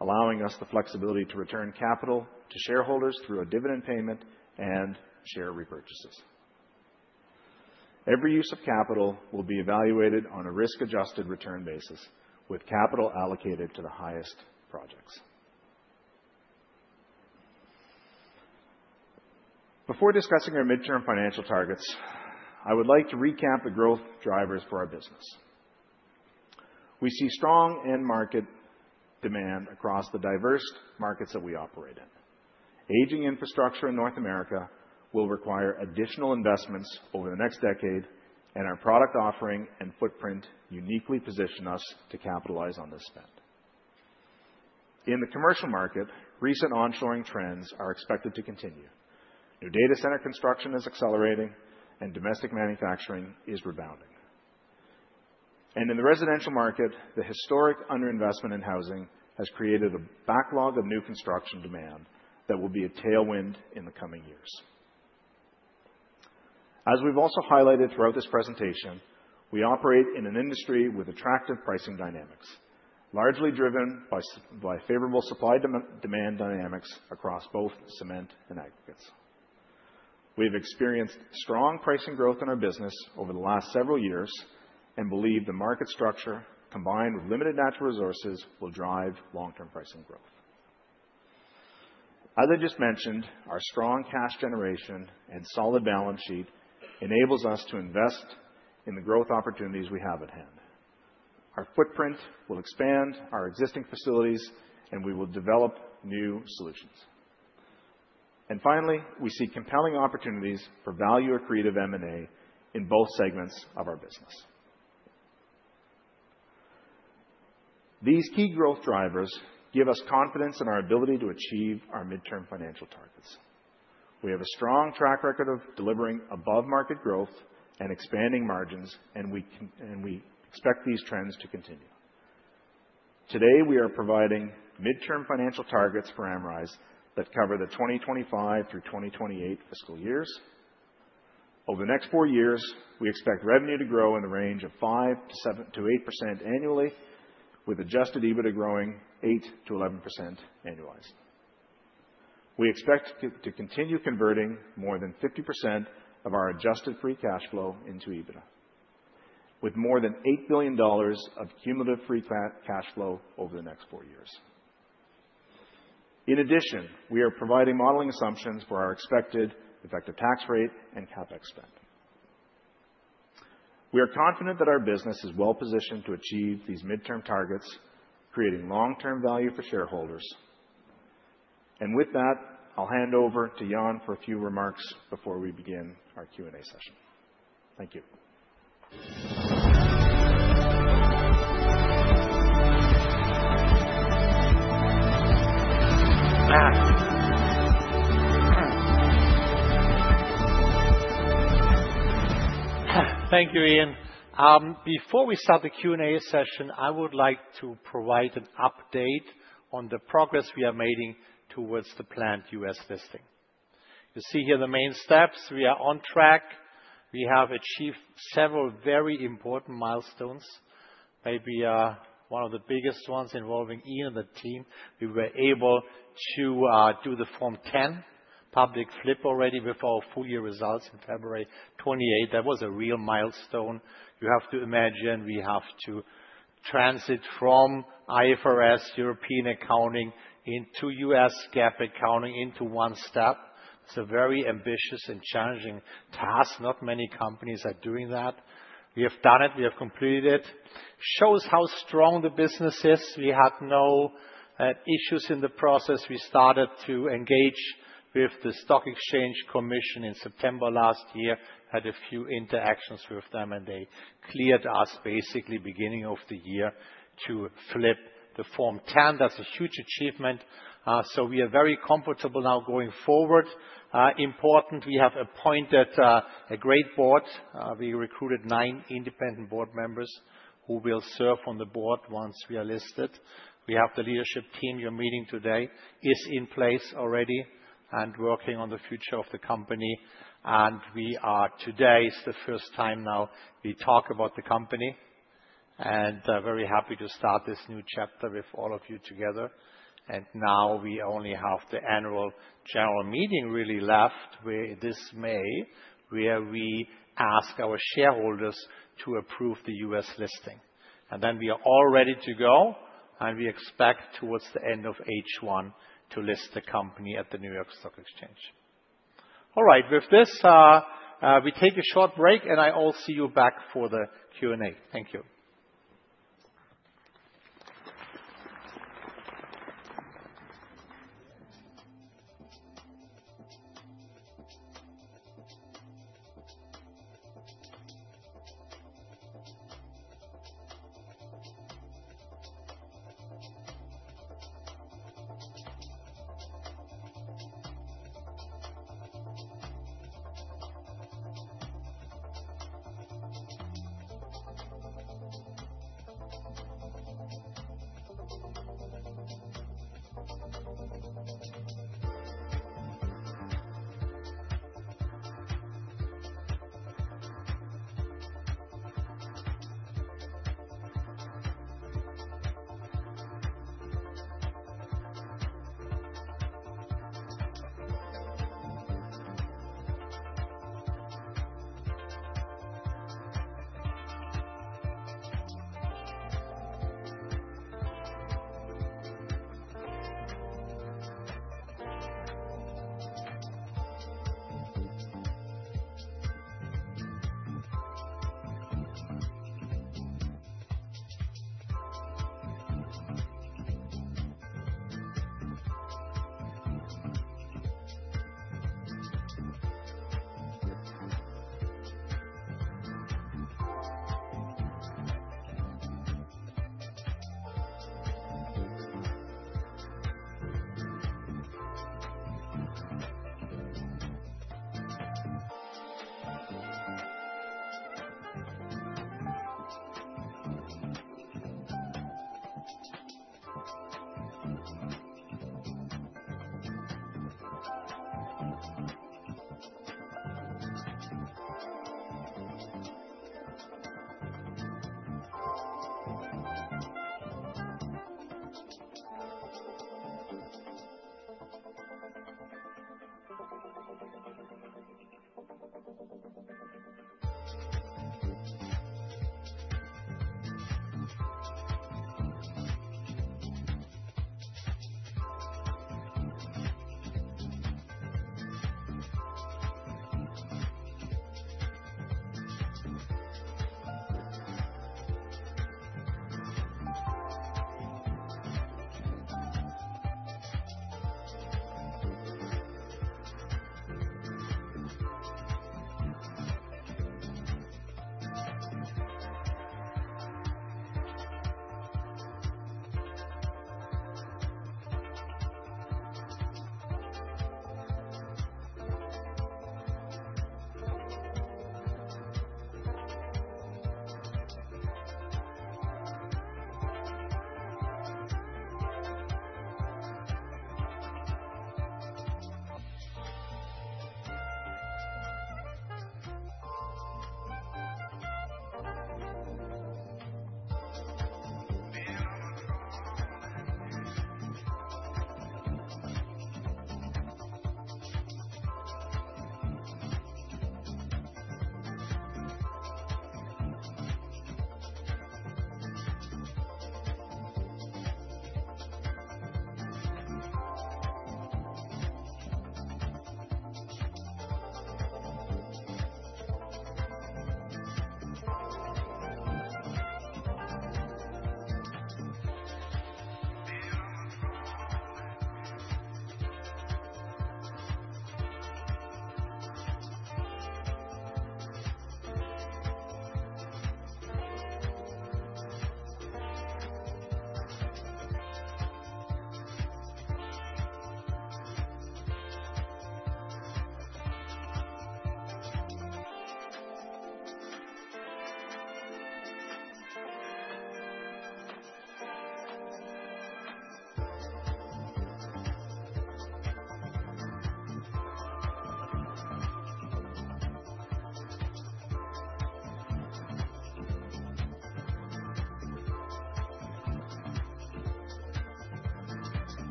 allowing us the flexibility to return capital to shareholders through a dividend payment and share repurchases. Every use of capital will be evaluated on a risk-adjusted return basis with capital allocated to the highest projects. Before discussing our midterm financial targets, I would like to recap the growth drivers for our business. We see strong end market demand across the diverse markets that we operate in. Aging infrastructure in North America will require additional investments over the next decade, and our product offering and footprint uniquely position us to capitalize on this spend. In the commercial market, recent onshoring trends are expected to continue. New data center construction is accelerating, domestic manufacturing is rebounding, and in the residential market, the historic underinvestment in housing has created a backlog of new construction demand that will be a tailwind in the coming years. As we've also highlighted throughout this presentation, we operate in an industry with attractive pricing dynamics largely driven by favorable supply demand dynamics across both cement and Aggregates. We've experienced strong pricing growth in our business over the last several years and believe the market structure combined with limited natural resources will drive long term pricing growth. As I just mentioned, our strong cash generation and solid balance sheet enables us to invest in the growth opportunities we have at hand. Our footprint will expand our existing facilities, we will develop new solutions and finally, we see compelling opportunities for value accretive M&A in both segments of our business. These key growth drivers give us confidence in our ability to achieve our midterm financial targets. We have a strong track record of delivering above market growth and expanding margins and we expect these trends to continue. Today we are providing midterm financial targets forAmrize that cover the 2025 through 2028 fiscal years. Over the next four years we expect revenue to grow in the range of 5-7-8% annually with adjusted EBITDA growing 8-11% annualized. We expect to continue converting more than 50% of our adjusted free cash flow into EBITDA with more than $8 billion of cumulative free cash flow over the next four years. In addition, we are providing modeling assumptions for our expected effective tax rate and capex spend. We are confident that our business is well positioned to achieve these midterm targets, creating long term value for shareholders. With that, I'll hand over to Jan for a few remarks before we begin our Q and A session. Thank you.
Thank you, Ian. Before we start the Q and A session, I would like to provide an update on the progress we are making towards the planned US listing. You see here the main steps we are on track. We have achieved several very important milestones. Maybe one of the biggest ones involving Ian and the team. We were able to do the Form 10 public flip already with our full year results on February 28. That was a real milestone. You have to imagine we have to transit from IFRS European accounting into US GAAP accounting in one step. It's a very ambitious and challenging task. Not many companies are doing that. We have done it, we have completed. It shows how strong the business is. We had no issues in the process. We started to engage with the Stock Exchange Commission in September last year, had a few interactions with them and they cleared us basically beginning of the year to flip the form 10. That is a huge achievement. We are very comfortable now going forward. Important, we have appointed a great board. We recruited nine independent board members who will serve on the board once we are listed. We have the leadership team you are meeting today is in place already working on the future of the company. We are. Today is the first time now we talk about the company and very happy to start this new chapter with all of you together. We only have the annual general meeting really left this May where we ask our shareholders to approve the U.S. listing. We are all ready to go. We expect towards the end of H1 to list the company at the New York Stock Exchange. All right, with this, we take a short break and I will see you back for the Q and A. Thank you.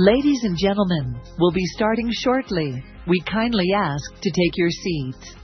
Ladies and gentlemen, we'll be starting shortly. We kindly ask to take your seat.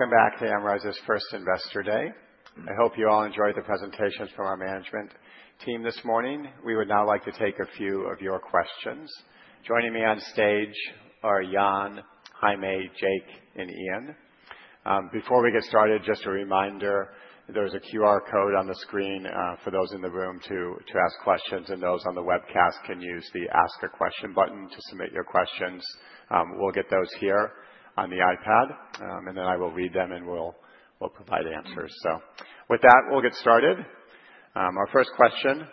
Welcome back to Amrize's first Investor Day. I hope you all enjoyed the presentations from our management team this morning. We would now like to take a few of your questions. Joining me on stage are Jan, Jaime, Jake and Ian. Before we get started, just a reminder, there's a QR code on the screen for those in the room to ask questions and those on the webcast can use the ask a question button to submit your questions. We'll get those here on the iPad and then I will read them and we'll provide answers. With that, we'll get started. Our first question,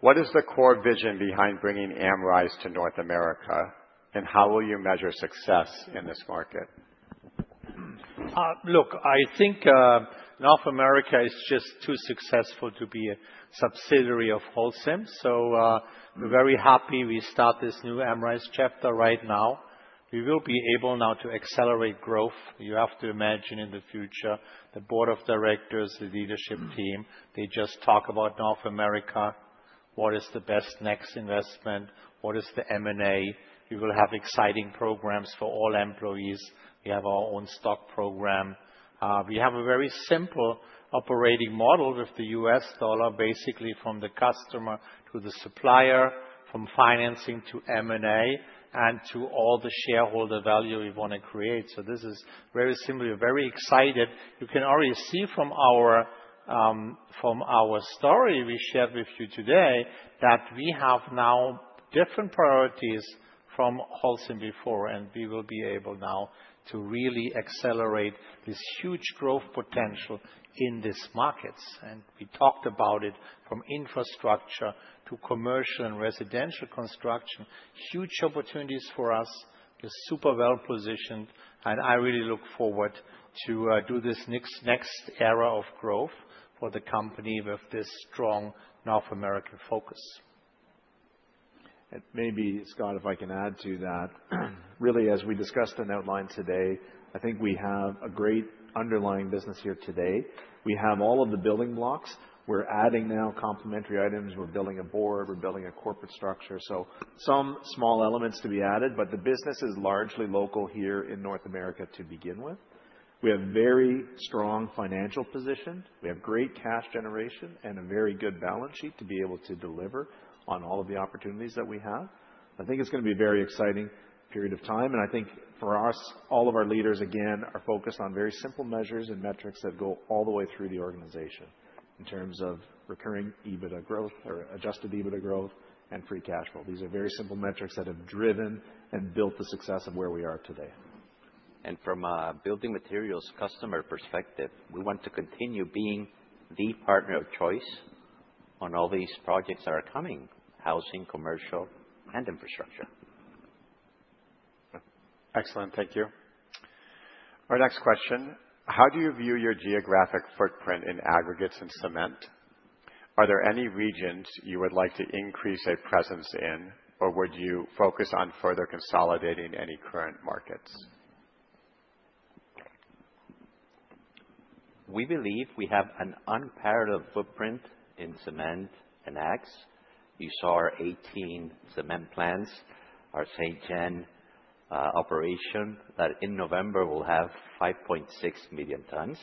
what is the core vision behind bringing Amrize to North America? And how will you measure success in this market?
Look, I think North America is just too successful to be a subsidiary of Holcim. We are very happy we start this new Amrize chapter right now. We will be able now to accelerate growth. You have to imagine in the future, the board of directors, the leadership team, they just talk about North America. What is the best next investment? What is the M&A? We will have exciting programs for all employees. We have our own stock program. We have a very simple operating model with the US dollar, basically from the customer to the supplier, from financing to M&A and to all the shareholder value we want to create. This is very similar, very excited. You can already see from our story we shared with you today that we have now different priorities from Holcim before and we will be able now to really accelerate this huge growth potential in these markets. We talked about it, from infrastructure to commercial and residential construction, huge opportunities for us. We're super well positioned and I really look forward to do this next era of growth for the company with this strong North American focus.
Maybe Scott, if I can add to that, really, as we discussed and outlined today, I think we have a great underlying business here today. We have all of the building blocks, we are adding now complementary items, we are building a board, we are building a corporate structure. Some small elements to be added. The business is largely local here in North America to begin with. We have very strong financial position, we have great cash generation and a very good balance sheet to be able to deliver on all of the opportunities that we have. I think it is going to be a very exciting period of time and I think for us. All of our leaders again are focused on very simple measures and metrics that go all the way through the organization in terms of recurring EBITDA growth or adjusted EBITDA growth and free cash flow. These are very simple metrics that have driven and built the success of where we are today.
From a building materials customer perspective, we want to continue being the partner of choice on all these projects that are coming. Housing, commercial and infrastructure.
Excellent. Thank you. Our next question, how do you view your geographic footprint in aggregates and cement? Are there any regions you would like to increase a presence in or would you focus on further consolidating any current markets?
We believe we have an unparalleled footprint in cement and aggregates. You saw our 18 cement plants, our St. Genevieve operation that in November will have 5.6 million tons.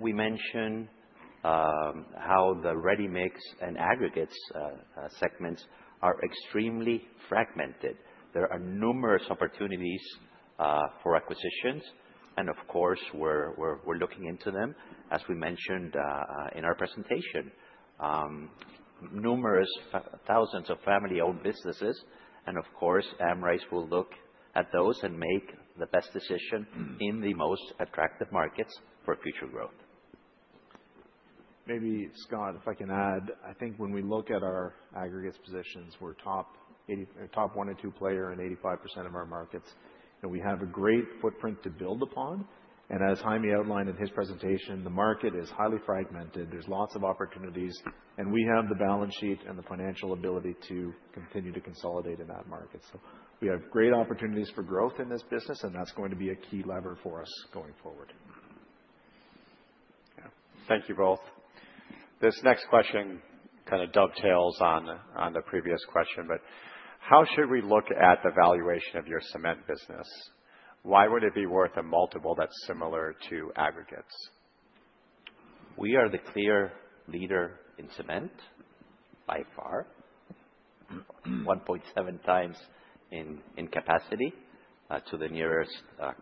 We mentioned how the ready mix and aggregates segments are extremely fragmented. There are numerous opportunities for acquisitions and of course we are looking into them. As we mentioned in our presentation, numerous thousands of family owned businesses and of course Holcim will look at those and make the best decision in the most attractive markets for future growth.
Maybe Scott, if I can add, I think when we look at our aggregates positions, we are top one or two player in 85% of our markets and we have a great footprint to build upon. As Jaime outlined in his presentation, the market is highly fragmented, there are lots of opportunities and we have the balance sheet and the financial ability to continue to consolidate in that market. We have great opportunities for growth in this business and that is going to be a key lever for us going forward.
Thank you both. This next question kind of dovetails on the previous question, but how should we look at the valuation of your cement business? Why would it be worth a multiple that's similar to aggregates?
We are the clear leader in cement by far, 1.7 times in capacity to the nearest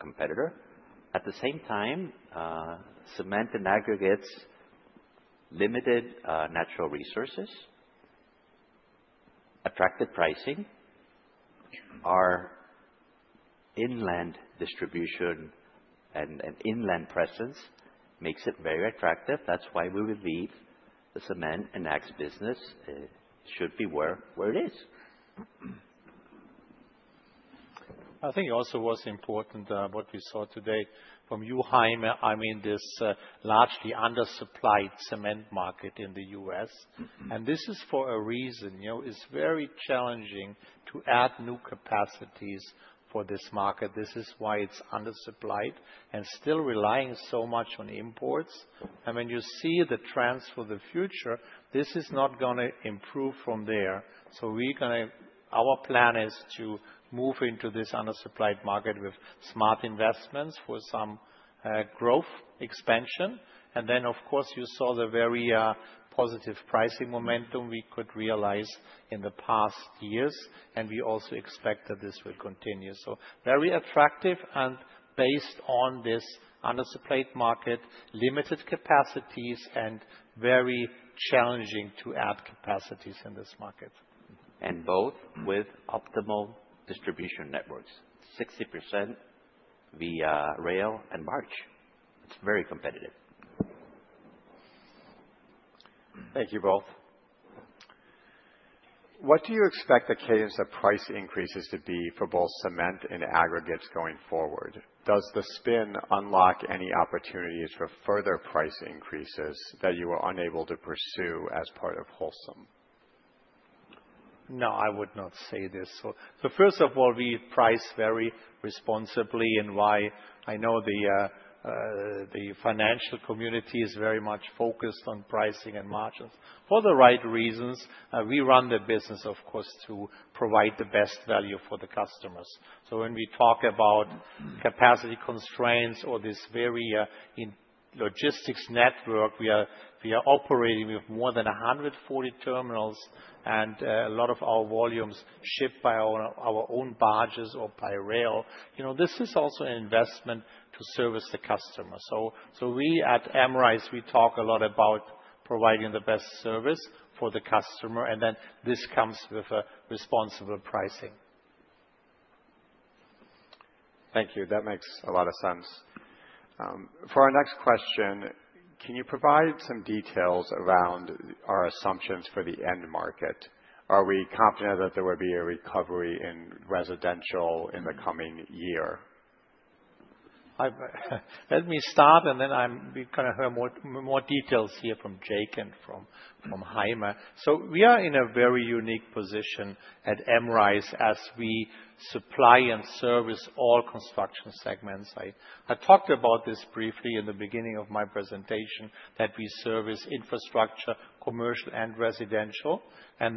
competitor. At the same time, cement and aggregates, limited natural resources, attractive pricing, our inland distribution and inland presence makes it very attractive. That's why we believe the cement and aggregates business should be where it is.
I think also what's important, what we saw today from you Jaime, I mean this largely undersupplied cement market in the U.S., and this is for a reason. You know, it's very challenging to add new capacities for this market. This is why it's undersupplied and still relying so much on imports. When you see the trends for the future, this is not going to improve from there. We can. Our plan is to move into this undersupplied market with smart investments for some growth, expansion. You saw the very positive pricing momentum we could realize in the past years. We also expect that this will continue. Very attractive and based on this undersupplied market, limited capacities and very challenging to add capacities in this market.
Both with optimal distribution networks, 60% via rail and barge. It's very competitive.
Thank you both. What do you expect the cadence of price increases to be for both cement and aggregates going forward, does the spin unlock any opportunities for further price increases that you are unable to pursue as part of Holcim?
No, I would not say this. First of all, we price very responsibly and I know the financial community is very much focused on pricing and margins for the right reasons. We run the business, of course, to provide the best value for the customers. When we talk about capacity constraints or this very in logistics network, we are operating with more than 140 terminals and a lot of our volumes shipped by our own barges or by rail. You know, this is also an investment to service the customer. At Amrize, we talk a lot about providing the best service for the customer and then this comes with a responsible pricing.
Thank you. That makes a lot of sense. For our next question, can you provide some details around our assumptions for the end market? Are we confident that there will be a recovery in residential in the coming year?
Let me start and then we're going to hear more details here from Jake and from Jaime. We are in a very unique position at Amrize as we supply and service all construction segments. I talked about this briefly in the beginning of my presentation that we service infrastructure, commercial and residential.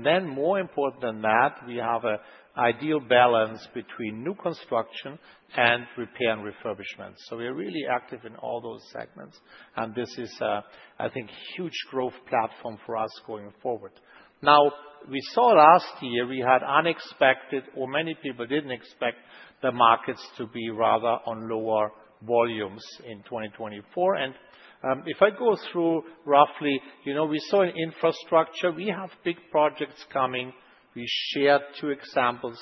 More important than that, we have an ideal balance between new construction and repair and refurbishment. We are really active in all those segments. This is, I think, a huge growth plan platform for us going forward. Last year we had unexpected, or many people did not expect, the markets to be rather on lower volumes in 2024. If I go through roughly, you know, we saw in infrastructure, we have big projects coming. We share two examples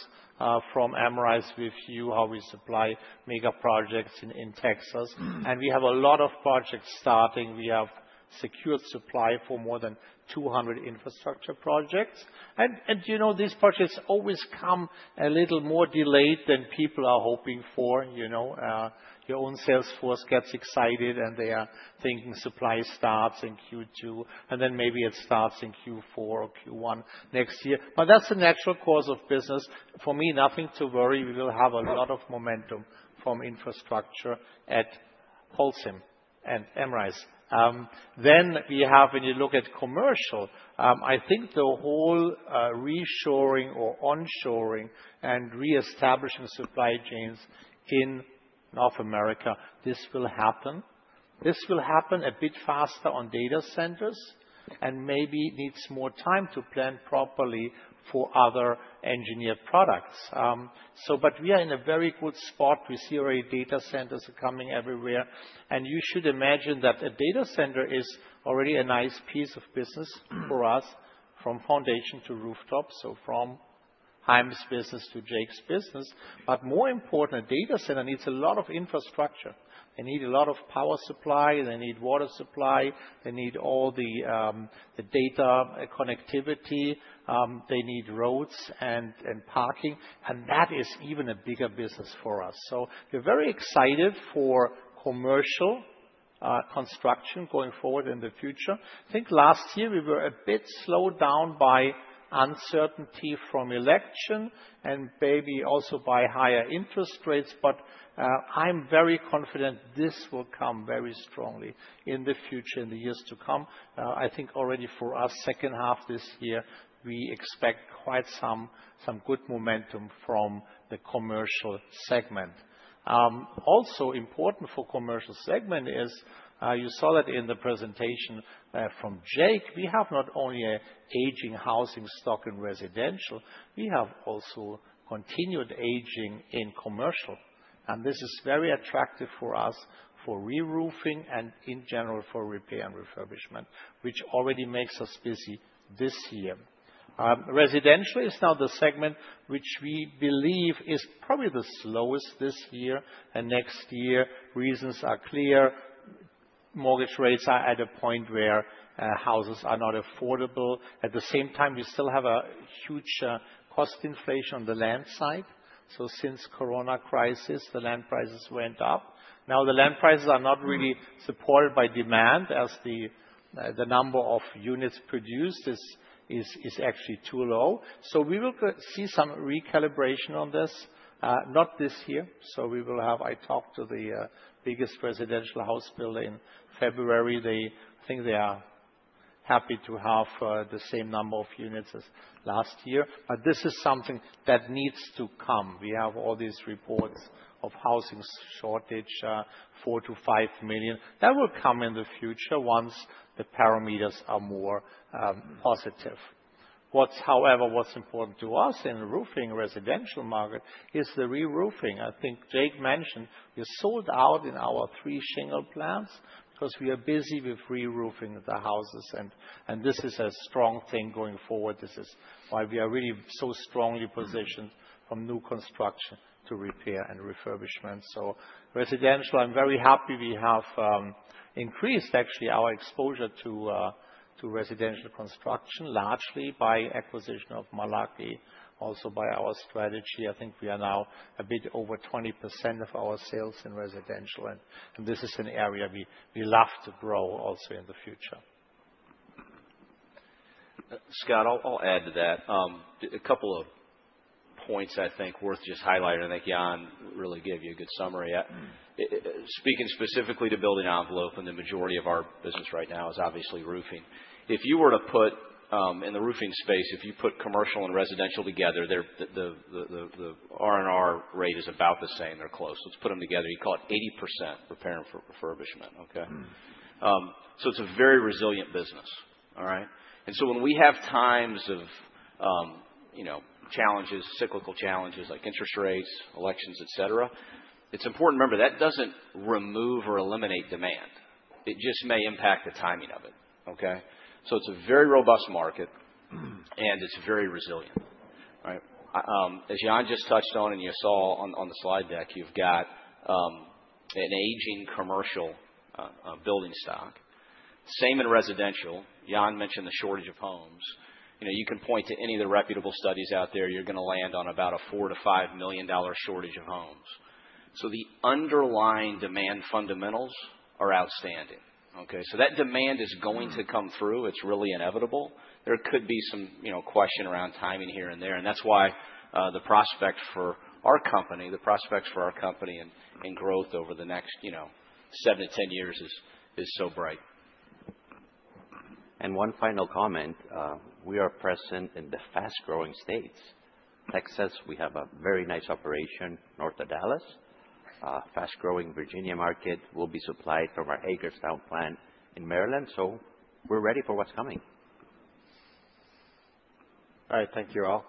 from Amrize with you how we supply mega projects in Texas and we have a lot of projects starting. We have secured supply for more than 200 infrastructure projects. You know, these projects always come a little more delayed than people are hoping for. You know, your own sales force gets excited and they are thinking supply starts in Q2 and then maybe it starts in Q4 or Q1 next year. That is the natural course of business for me. Nothing to worry. We will have a lot of momentum from infrastructure at Holcim and Amrize. When you look at commercial, I think the whole reshoring or onshoring and reestablishing supply chains in North America, this will happen, this will happen a bit faster on data centers and maybe needs more time to plan properly for other engineered products. So. We are in a very good spot. We see already data centers coming everywhere. You should imagine that a data center is already a nice piece of business for us from foundation to rooftop, from Jaime's business to Jake's business. More important, a data center needs a lot of infrastructure. They need a lot of power supply, they need water supply, they need all the data connectivity, they need roads and parking. That is even a bigger business for us. We are very excited for commercial construction going forward in the future. I think last year we were a bit slowed down by uncertainty from election and maybe also by higher interest rates. I am very confident this will come very strongly in the future, in the years to come. I think already for us second half this year we expect quite some good momentum from the commercial segment. Also important for commercial segment is you saw that in the presentation from Jake. We have not only aging housing stock in residential, we have also continued aging in commercial. This is very attractive for us for reroofing and in general for repair and refurbishment which already makes us busy this year. Residential is now the segment which we believe is probably the slowest this year and next year. Reasons are clear. Mortgage rates are at a point where houses are not affordable. At the same time we still have a huge cost inflation on the land side. Since Corona crisis, the land prices went up. Now the land prices are not really supported by demand as the number of units produced is actually too low. We will see some recalibration on this. Not this year. We will have. I talked to the biggest residential house builder in February. They think they are happy to have the same number of units as last year. This is something that needs to come. We have all these reports of housing shortage 4-5 million that will come in the future once the parameters are more positive. However, what's important to us in roofing residential market is the reroofing. I think Jake mentioned we sold out in our three shingle plants because we are busy with reroofing the houses. This is a strong thing going forward. This is why we are really so strongly positioned from new construction to repair and refurbishment. Residential. I'm very happy we have increased actually our exposure to residential construction largely by acquisition of Malarkey, also by our strategy. I think we are now a bit over 20% of our sales in residential and this is an area we love to grow also in the future.
Scott, I'll add to that a couple of points I think worth just highlighting. I think Jan really gave you a good summary speaking specifically to building envelope and the majority of our business right now is obviously roofing. If you were to put in the roofing space, if you put commercial and residential together, the R and R rate is about the same. They're close. Let's put them together. You call it 80% repair and refurbishment. Okay. It's a very resilient business. And when we have times of, you know, challenges, cyclical challenges like interest rates, elections, et cetera, it's important to remember that doesn't remove or eliminate demand. It just may impact the timing of it. Okay, so it's a very robust market and it's very resilient. As Jan just touched on and you saw on the slide deck, you've got an aging commercial building stock, same in residential. Jan mentioned the shortage of homes. You know, you can point to any of the reputable studies out there, you're going to land on about a 4-5 million shortage of homes. So the underlying demand fundamentals are outstanding. Okay, so that demand is going to come through. It's really inevitable. There could be some, you know, question around timing here and there. That's why the prospect for our company, the prospects for our company and growth over the next, you know, seven to 10 years is so bright.
One final comment. We are present in the fast growing states, Texas. We have a very nice operation north of Dallas. The fast growing Virginia market will be supplied from our Hagerstown plant in Maryland. We are ready for what's coming.
All right, thank you all.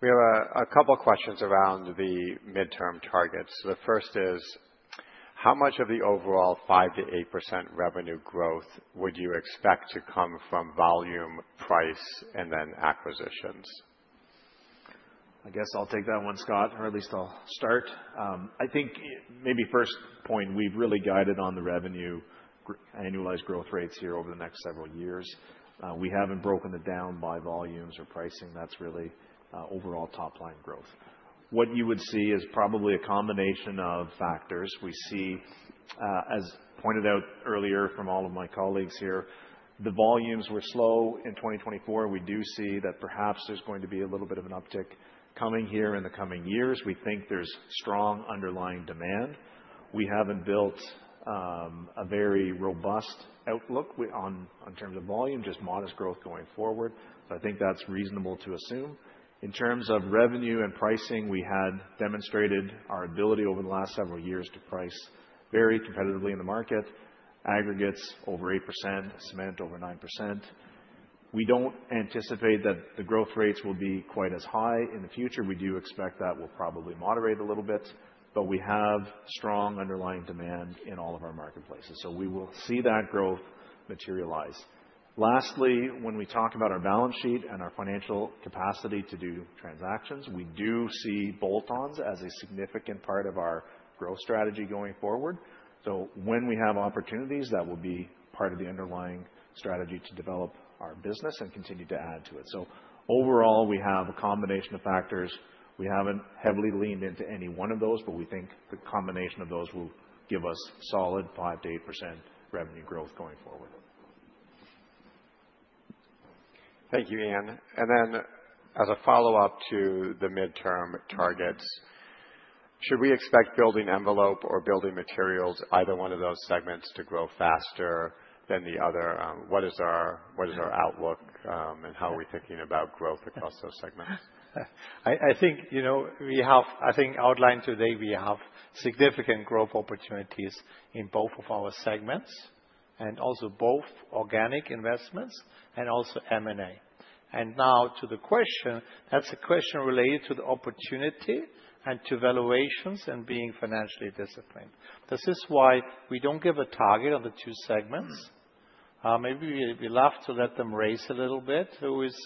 We have a couple questions around the midterm targets. The first is how much of the overall 5-8% revenue growth would you expect to come from volume, price and then acquisitions?
I guess I'll take that one, Scott, or at least I'll start. I think maybe. First point, we've really guided on the revenue annualized growth rates here over the next several years. We haven't broken it down by volumes or pricing. That's really overall top line growth. What you would see is probably a combination of factors. We see, as pointed out earlier from all of my colleagues here, the volumes were slow in 2024. We do see that perhaps there's going to be a little bit of an uptick coming here in the coming years. We think there's strong underlying demand. We haven't built a very robust outlook in terms of volume, just modest growth going forward. I think that's reasonable to assume in terms of revenue and pricing. We had demonstrated our ability over the last several years to price very competitively in the market. Aggregates over 8%, cement over 9%. We do not anticipate that the growth rates will be quite as high in the future. We do expect that will probably moderate a little bit. We have strong underlying demand in all of our marketplaces, so we will see that growth materialize. Lastly, when we talk about our balance sheet and our financial capacity to do transactions, we do see bolt ons as a significant part of our growth strategy going forward. When we have opportunities that will be part of the underlying strategy to develop our business and continue to add to it. Overall we have a combination of factors. We have not heavily leaned into any one of those, but we think the combination of those will give us solid 5-8% revenue growth going forward.
Thank you, Ian. As a follow up to the midterm targets, should we expect building envelope or building materials, either one of those segments to grow faster than the other? What is our outlook and how are we thinking about growth across those segments?
I think, you know, we have, I think outlined today we have significant growth opportunities in both of our segments and also both organic investments and also M&A. Now to the question, that's a question related to the opportunity and to valuations and being financially disciplined. This is why we do not give a target of the two segments. Maybe we love to let them race a little bit, who is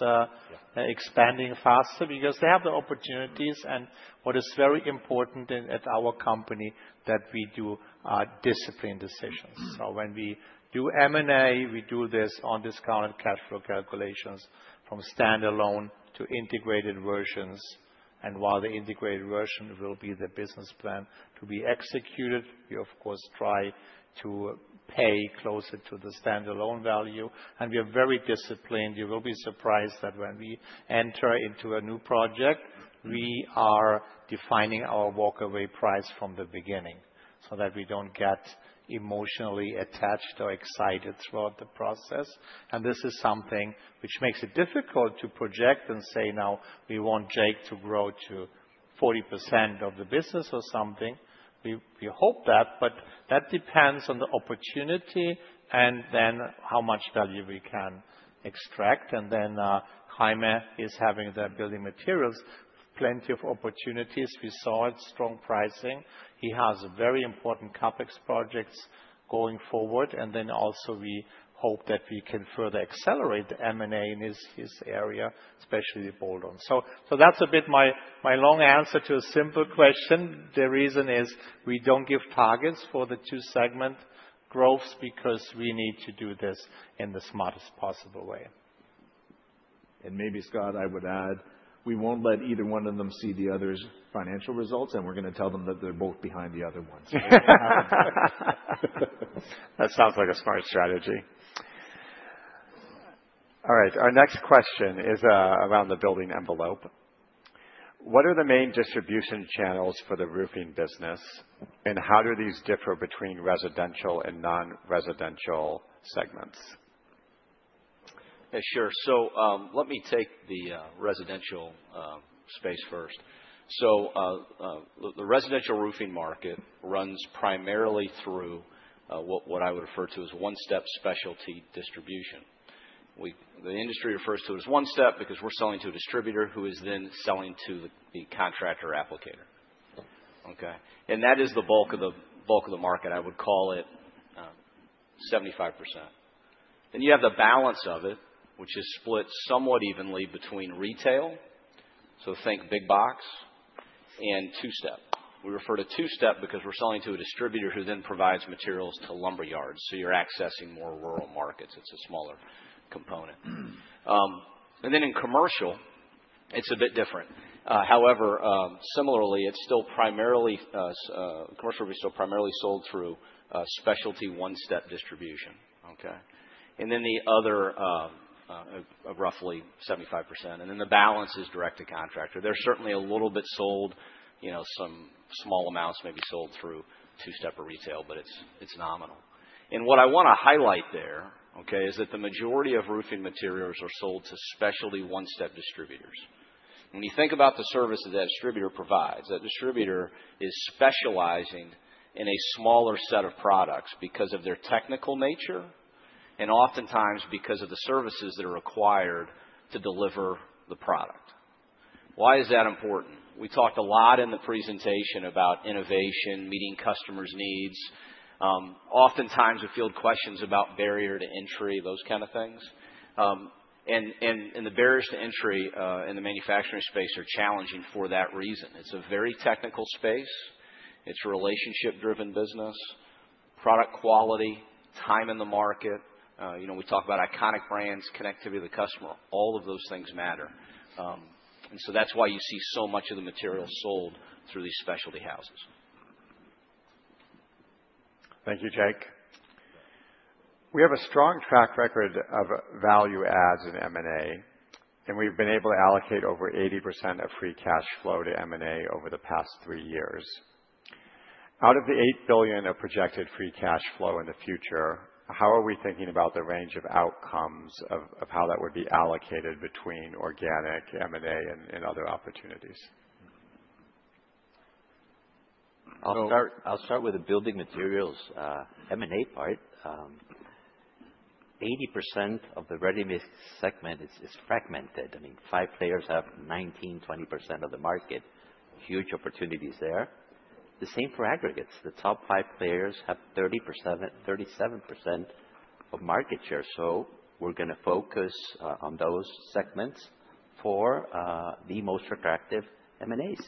expanding faster because they have the opportunities, and what is very important at our company is that we do disciplined decisions. When we do M&A, we do this on discounted cash flow calculations from standalone to integrated versions. While the integrated version will be the business plan to be executed, we of course try to pay closer to the standalone value and we are very disciplined. You will be surprised that when we enter into a new project, we are defining our walk away price from the beginning so that we do not get emotionally attached or excited throughout the process. This is something which makes it difficult to project and say now we want Jake to grow to 40% of the business or something. We hope that. That depends on the opportunity and then how much value we can extract. Jaime is having the building materials, plenty of opportunities. We saw it, strong pricing, he has very important CapEx projects going forward. We hope that we can further accelerate M&A in his area, especially bolt-on. That is a bit my long answer to a simple question. The reason is we don't give targets for the two segments growth because we need to do this in the smartest possible way.
Maybe, Scott, I would add, we won't let either one of them see the other's financial results, and we're going to tell them that they're both behind the other ones.
That sounds like a smart strategy. All right, our next question is around the building envelope. What are the main distribution channels for the roofing business and how do these differ between residential and non residential segments?
Sure. Let me take the residential space first. The residential roofing market runs primarily through what I would refer to as one step specialty distribution. The industry refers to it as one step because we're selling to a distributor who is then selling to the contractor applicator. Okay. That is the bulk of the market. I would call it 75%. You have the balance of it, which is split somewhat evenly between retail. Think big box and two step. We refer to two step because we're selling to a distributor who then provides materials to lumberyards. You're accessing more rural markets, it's a smaller component. In commercial it's a bit different. However, similarly, it's still primarily commercial, primarily sold through specialty one step distribution. Okay. The other roughly 75%, and then the balance is direct to contractor. They're certainly a little bit sold. You know, some small amounts may be sold through two stepper retail. But it's. It's nominal. What I want to highlight there. Okay. Is that the majority of roofing materials are sold to specialty one step distributors. When you think about the services that distributor provides, that distributor is specializing in a smaller set of products because of their technical nature and oftentimes because of the services that are required to deliver the product. Why is that important? We talked a lot in the presentation about innovation. We meeting customers' needs. Oftentimes we field questions about barrier to entry, those kind of things. The barriers to entry in the manufacturing space are challenging for that reason. It's a very technical space. It's a relationship driven business, product quality, time in the market. You know, we talk about iconic brands, connectivity to the customer. All of those things matter and so that's why you see so much of the material sold through these specialty houses.
Thank you, Jake. We have a strong track record of value adds in M&A and we've been able to allocate over 80% of free cash flow to M&A over the past three years. Out of the $8 billion of projected free cash flow in the future, how are we thinking about the range of outcomes of how that would be allocated between organic M&A and other opportunities?
I'll start with the building materials M&A part. 80% of the readiness segment is fragmented. I mean, five players have 19-20% of the market. Huge opportunities there. The same for aggregates. The top five players have 30-37% market share. We are going to focus on those segments for the most attractive M&As.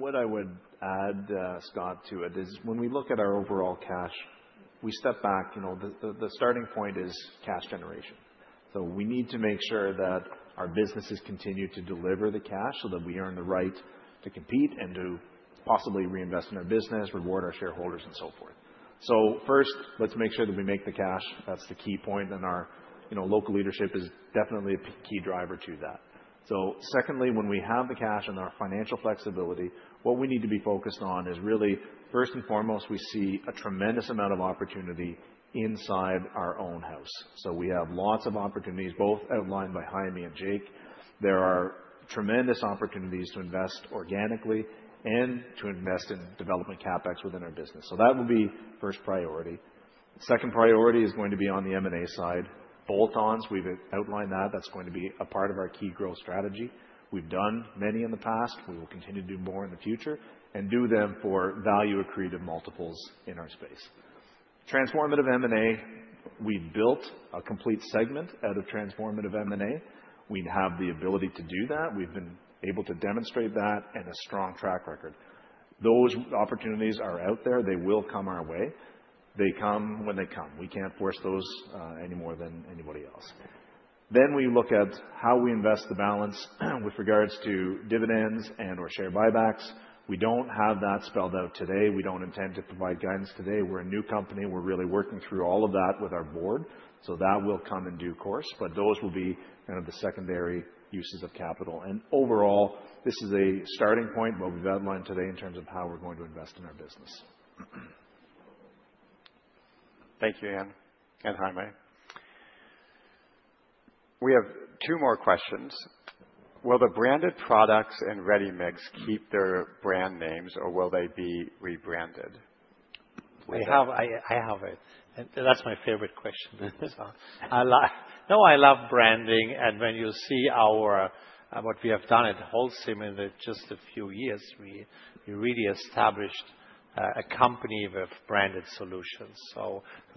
What I would add, Scott, to it is when we look at our overall cash, we step back. You know the starting point is cash generation. We need to make sure that our businesses continue to deliver the cash so that we earn the right to compete and to possibly reinvest in our business, reward our shareholders, and so forth. First, let's make sure that we make the cash. That's the key point, and our local leadership is definitely a key driver to that. Secondly, when we have the cash and our financial flexibility, what we need to be focused on is really, first and foremost, we see a tremendous amount of opportunity inside our own house. We have lots of opportunities, both outlined by Jaime and Jake. There are tremendous opportunities to invest organically and to invest in development capex within our business. That will be first priority. Second priority is going to be on the M&A side, bolt-ons. We've outlined that that's going to be a part of our key growth strategy. We've done many in the past, we will continue to do more in the future and do them for value accretive multiples in our space. Transformative M&A, we built a complete segment out of transformative M&A. We have the ability to do that. We've been able to demonstrate that and a strong track record. Those opportunities are out there. They will come our way. They come when they come. We can't force those any more than anybody else. We look at how we invest the balance with regards to dividends and or share buybacks. We don't have that spelled out today. We don't intend to provide guidance today. We're a new company. We're really working through all of that with our board. That will come in due course. Those will be kind of the secondary uses of capital. Overall, this is a starting point, what we've outlined today in terms of how we're going to invest in our business.
Thank you, Ian and Jaime. We have two more questions. Will the branded products in Ready Mix keep their brand names or will they be rebranded?
I have it. That's my favorite question. No, I love branding. And when you see what we have done at Holcim in just a few years, we really established a company with branded solutions.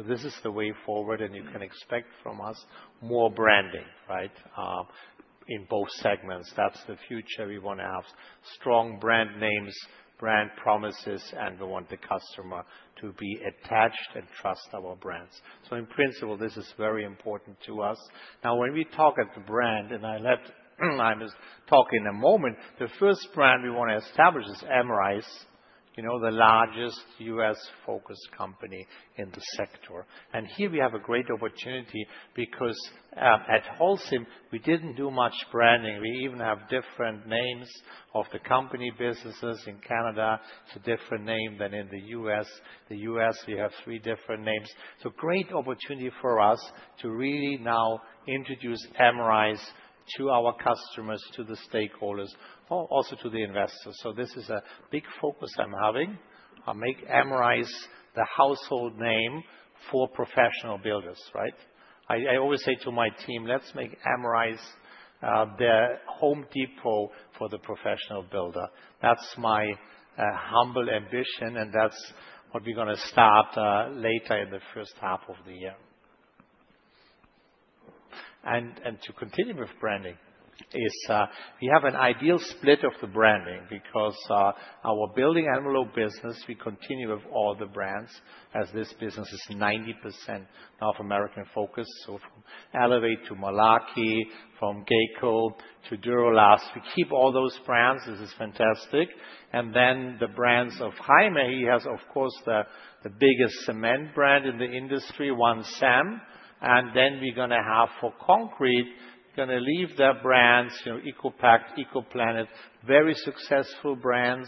This is the way forward and you can expect from us more branding, right? In both segments, that's the future. We want to have strong brand names, brand promises and we want the customer to be attached and trust our brands. In principle, this is very important to us. Now when we talk at the brand and I let talk in a moment, the first brand we want to establish is Amrize, you know, the largest US focused company in the sector. Here we have a great opportunity because at Holcim we did not do much branding. We even have different names of the company businesses. In Canada, it's a different name than in the U.S. The U.S. you have three different names. Great opportunity for us to really now introduce Amrize to our customers, to the stakeholders, also to the investors. This is a big focus I'm having. I'll make Amrize the household name for professional builders, right? I always say to my team, let's make Amrize the Home Depot for the professional builder. That's my humble ambition and that's what we're going to start later in the first half of the year. To continue with branding, we have an ideal split of the branding because our building envelope business, we continue with all the brands as this business is 90% North American focus. From Elevate to Malarkey, from Geico to Dur-Elast, we keep all those brands. This is fantastic. Then the brands of Jaime. He has of course the biggest cement brand in the industry, OneCem. We are going to have for concrete, we are going to leave their brand EcoPact, EcoPlanet, very successful brands,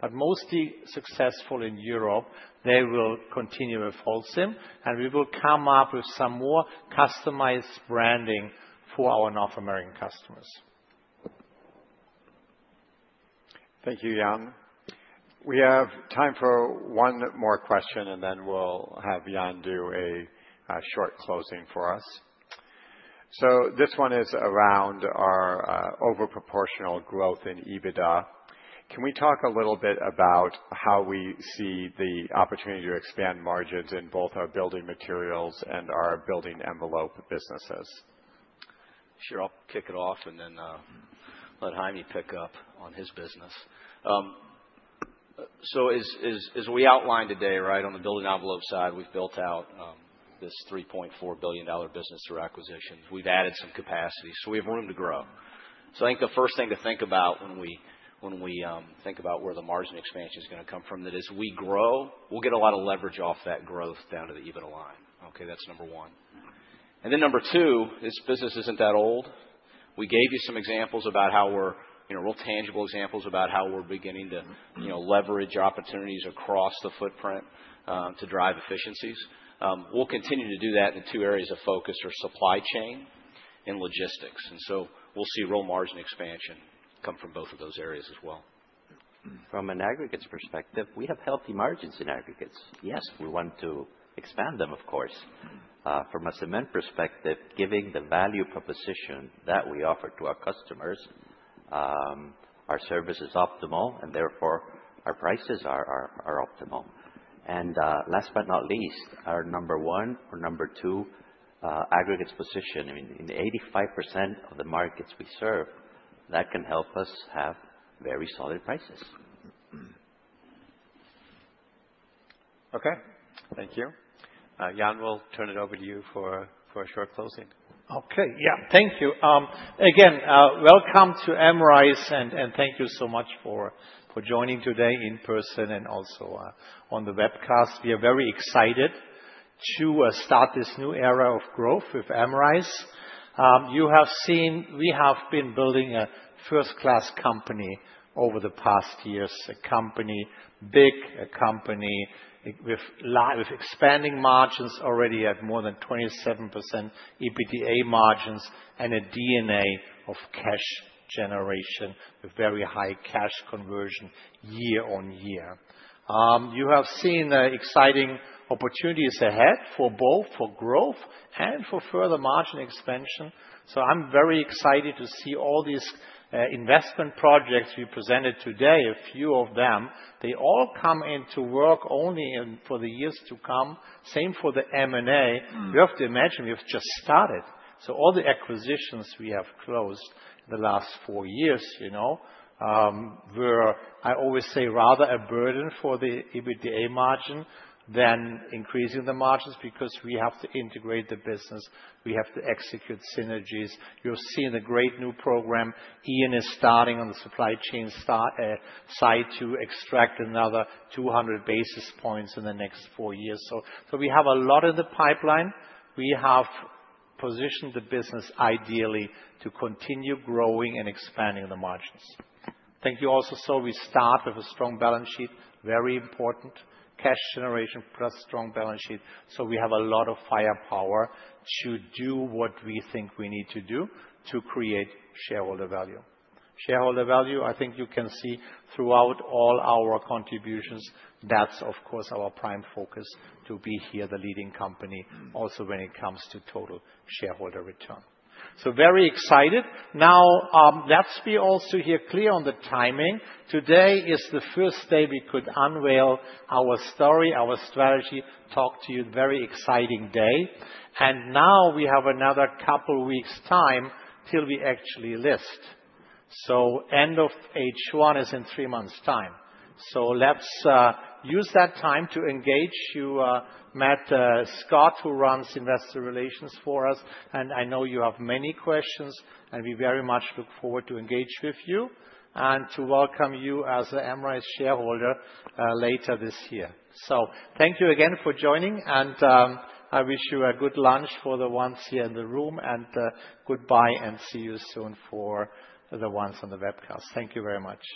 but mostly successful in Europe. They will continue with Holcim and we will come up with some more customized branding for our North American customers.
Thank you, Jan. We have time for one more question and then we'll have Jan do a short closing for us. This one is around our over proportional growth in EBITDA. Can we talk a little bit about how we see the opportunity to expand margins in both our building materials and our building envelope businesses?
Sure. I'll kick it off and then let Jaime pick up on his business. As we outlined today, right on the building envelope side, we've built out this $3.4 billion business through acquisitions. We've added some capacity so we have room to grow. I think the first thing to think about when we think about where the margin expansion is going to come from, that as we grow we'll get a lot of leverage off that growth down to the EBITDA line. That's number one. Number two, this business isn't that old. We gave you some examples about how we're real tangible examples about how we're beginning to leverage opportunities across the footprint to drive efficiencies. We'll continue to do that. The two areas of focus are supply chain and logistics. We'll see real margin expansion come from both of those areas as well.
From an aggregates perspective, we have healthy margins in aggregates, yes. We want to expand them, of course. From a cement perspective, given the value proposition that we offer to our customers, our service is optimal and therefore our prices are optimal. Last but not least, our number one or number two aggregates position in 85% of the markets we serve can help us have very solid prices.
Okay, thank you. Jan, we'll turn it over to you for a short closing.
Okay. Yeah. Thank you again. Welcome to Amrize and thank you so much for joining today in person and also on the webcast. We are very excited to start this new era of growth with Amrize. You have seen we have been building a first class company over the past years. A big company with expanding margins already at more than 27% EBITDA margins and a DNA of cash generation with very high cash conversion year on year. You have seen exciting opportunities ahead for both growth and for further margin expansion. I am very excited to see all these investment projects we presented today, a few of them, they all come into work only for the years to come. Same for the M&A. You have to imagine we have just started. All the acquisitions we have closed the last four years, you know, were, I always say, rather a burden for the EBITDA margin than increasing the margins because we have to integrate the business, we have to execute synergies. You're seeing a great new program. Ian is starting on the supply chain side to extract another 200 basis points in the next four years. We have a lot in the pipeline. We have positioned the business ideally to continue growing and expanding the margins. I think you also saw we start with a strong balance sheet, very important cash generation plus strong balance sheet. We have a lot of firepower to do what we think we need to do to create shareholder value. Shareholder value, I think you can see throughout all our contributions. That's of course our prime focus to be here, the leading company also when it comes to total shareholder return. Very excited. Now let's be also here, clear on the timing. Today is the first day we could unveil our stock, our strategy, talk to you. Very exciting day. Now we have another couple weeks time till we actually list. End of H1 is in 3 months time. Let's use that time to engage. You met Scott who runs investor relations for us and I know you have many questions and we very much look forward to engage with you and to welcome you as Holcim shareholder later this year. Thank you again for joining and I wish you a good lunch for the ones here in the room and goodbye and see you soon for the ones on the webcast. Thank you very much.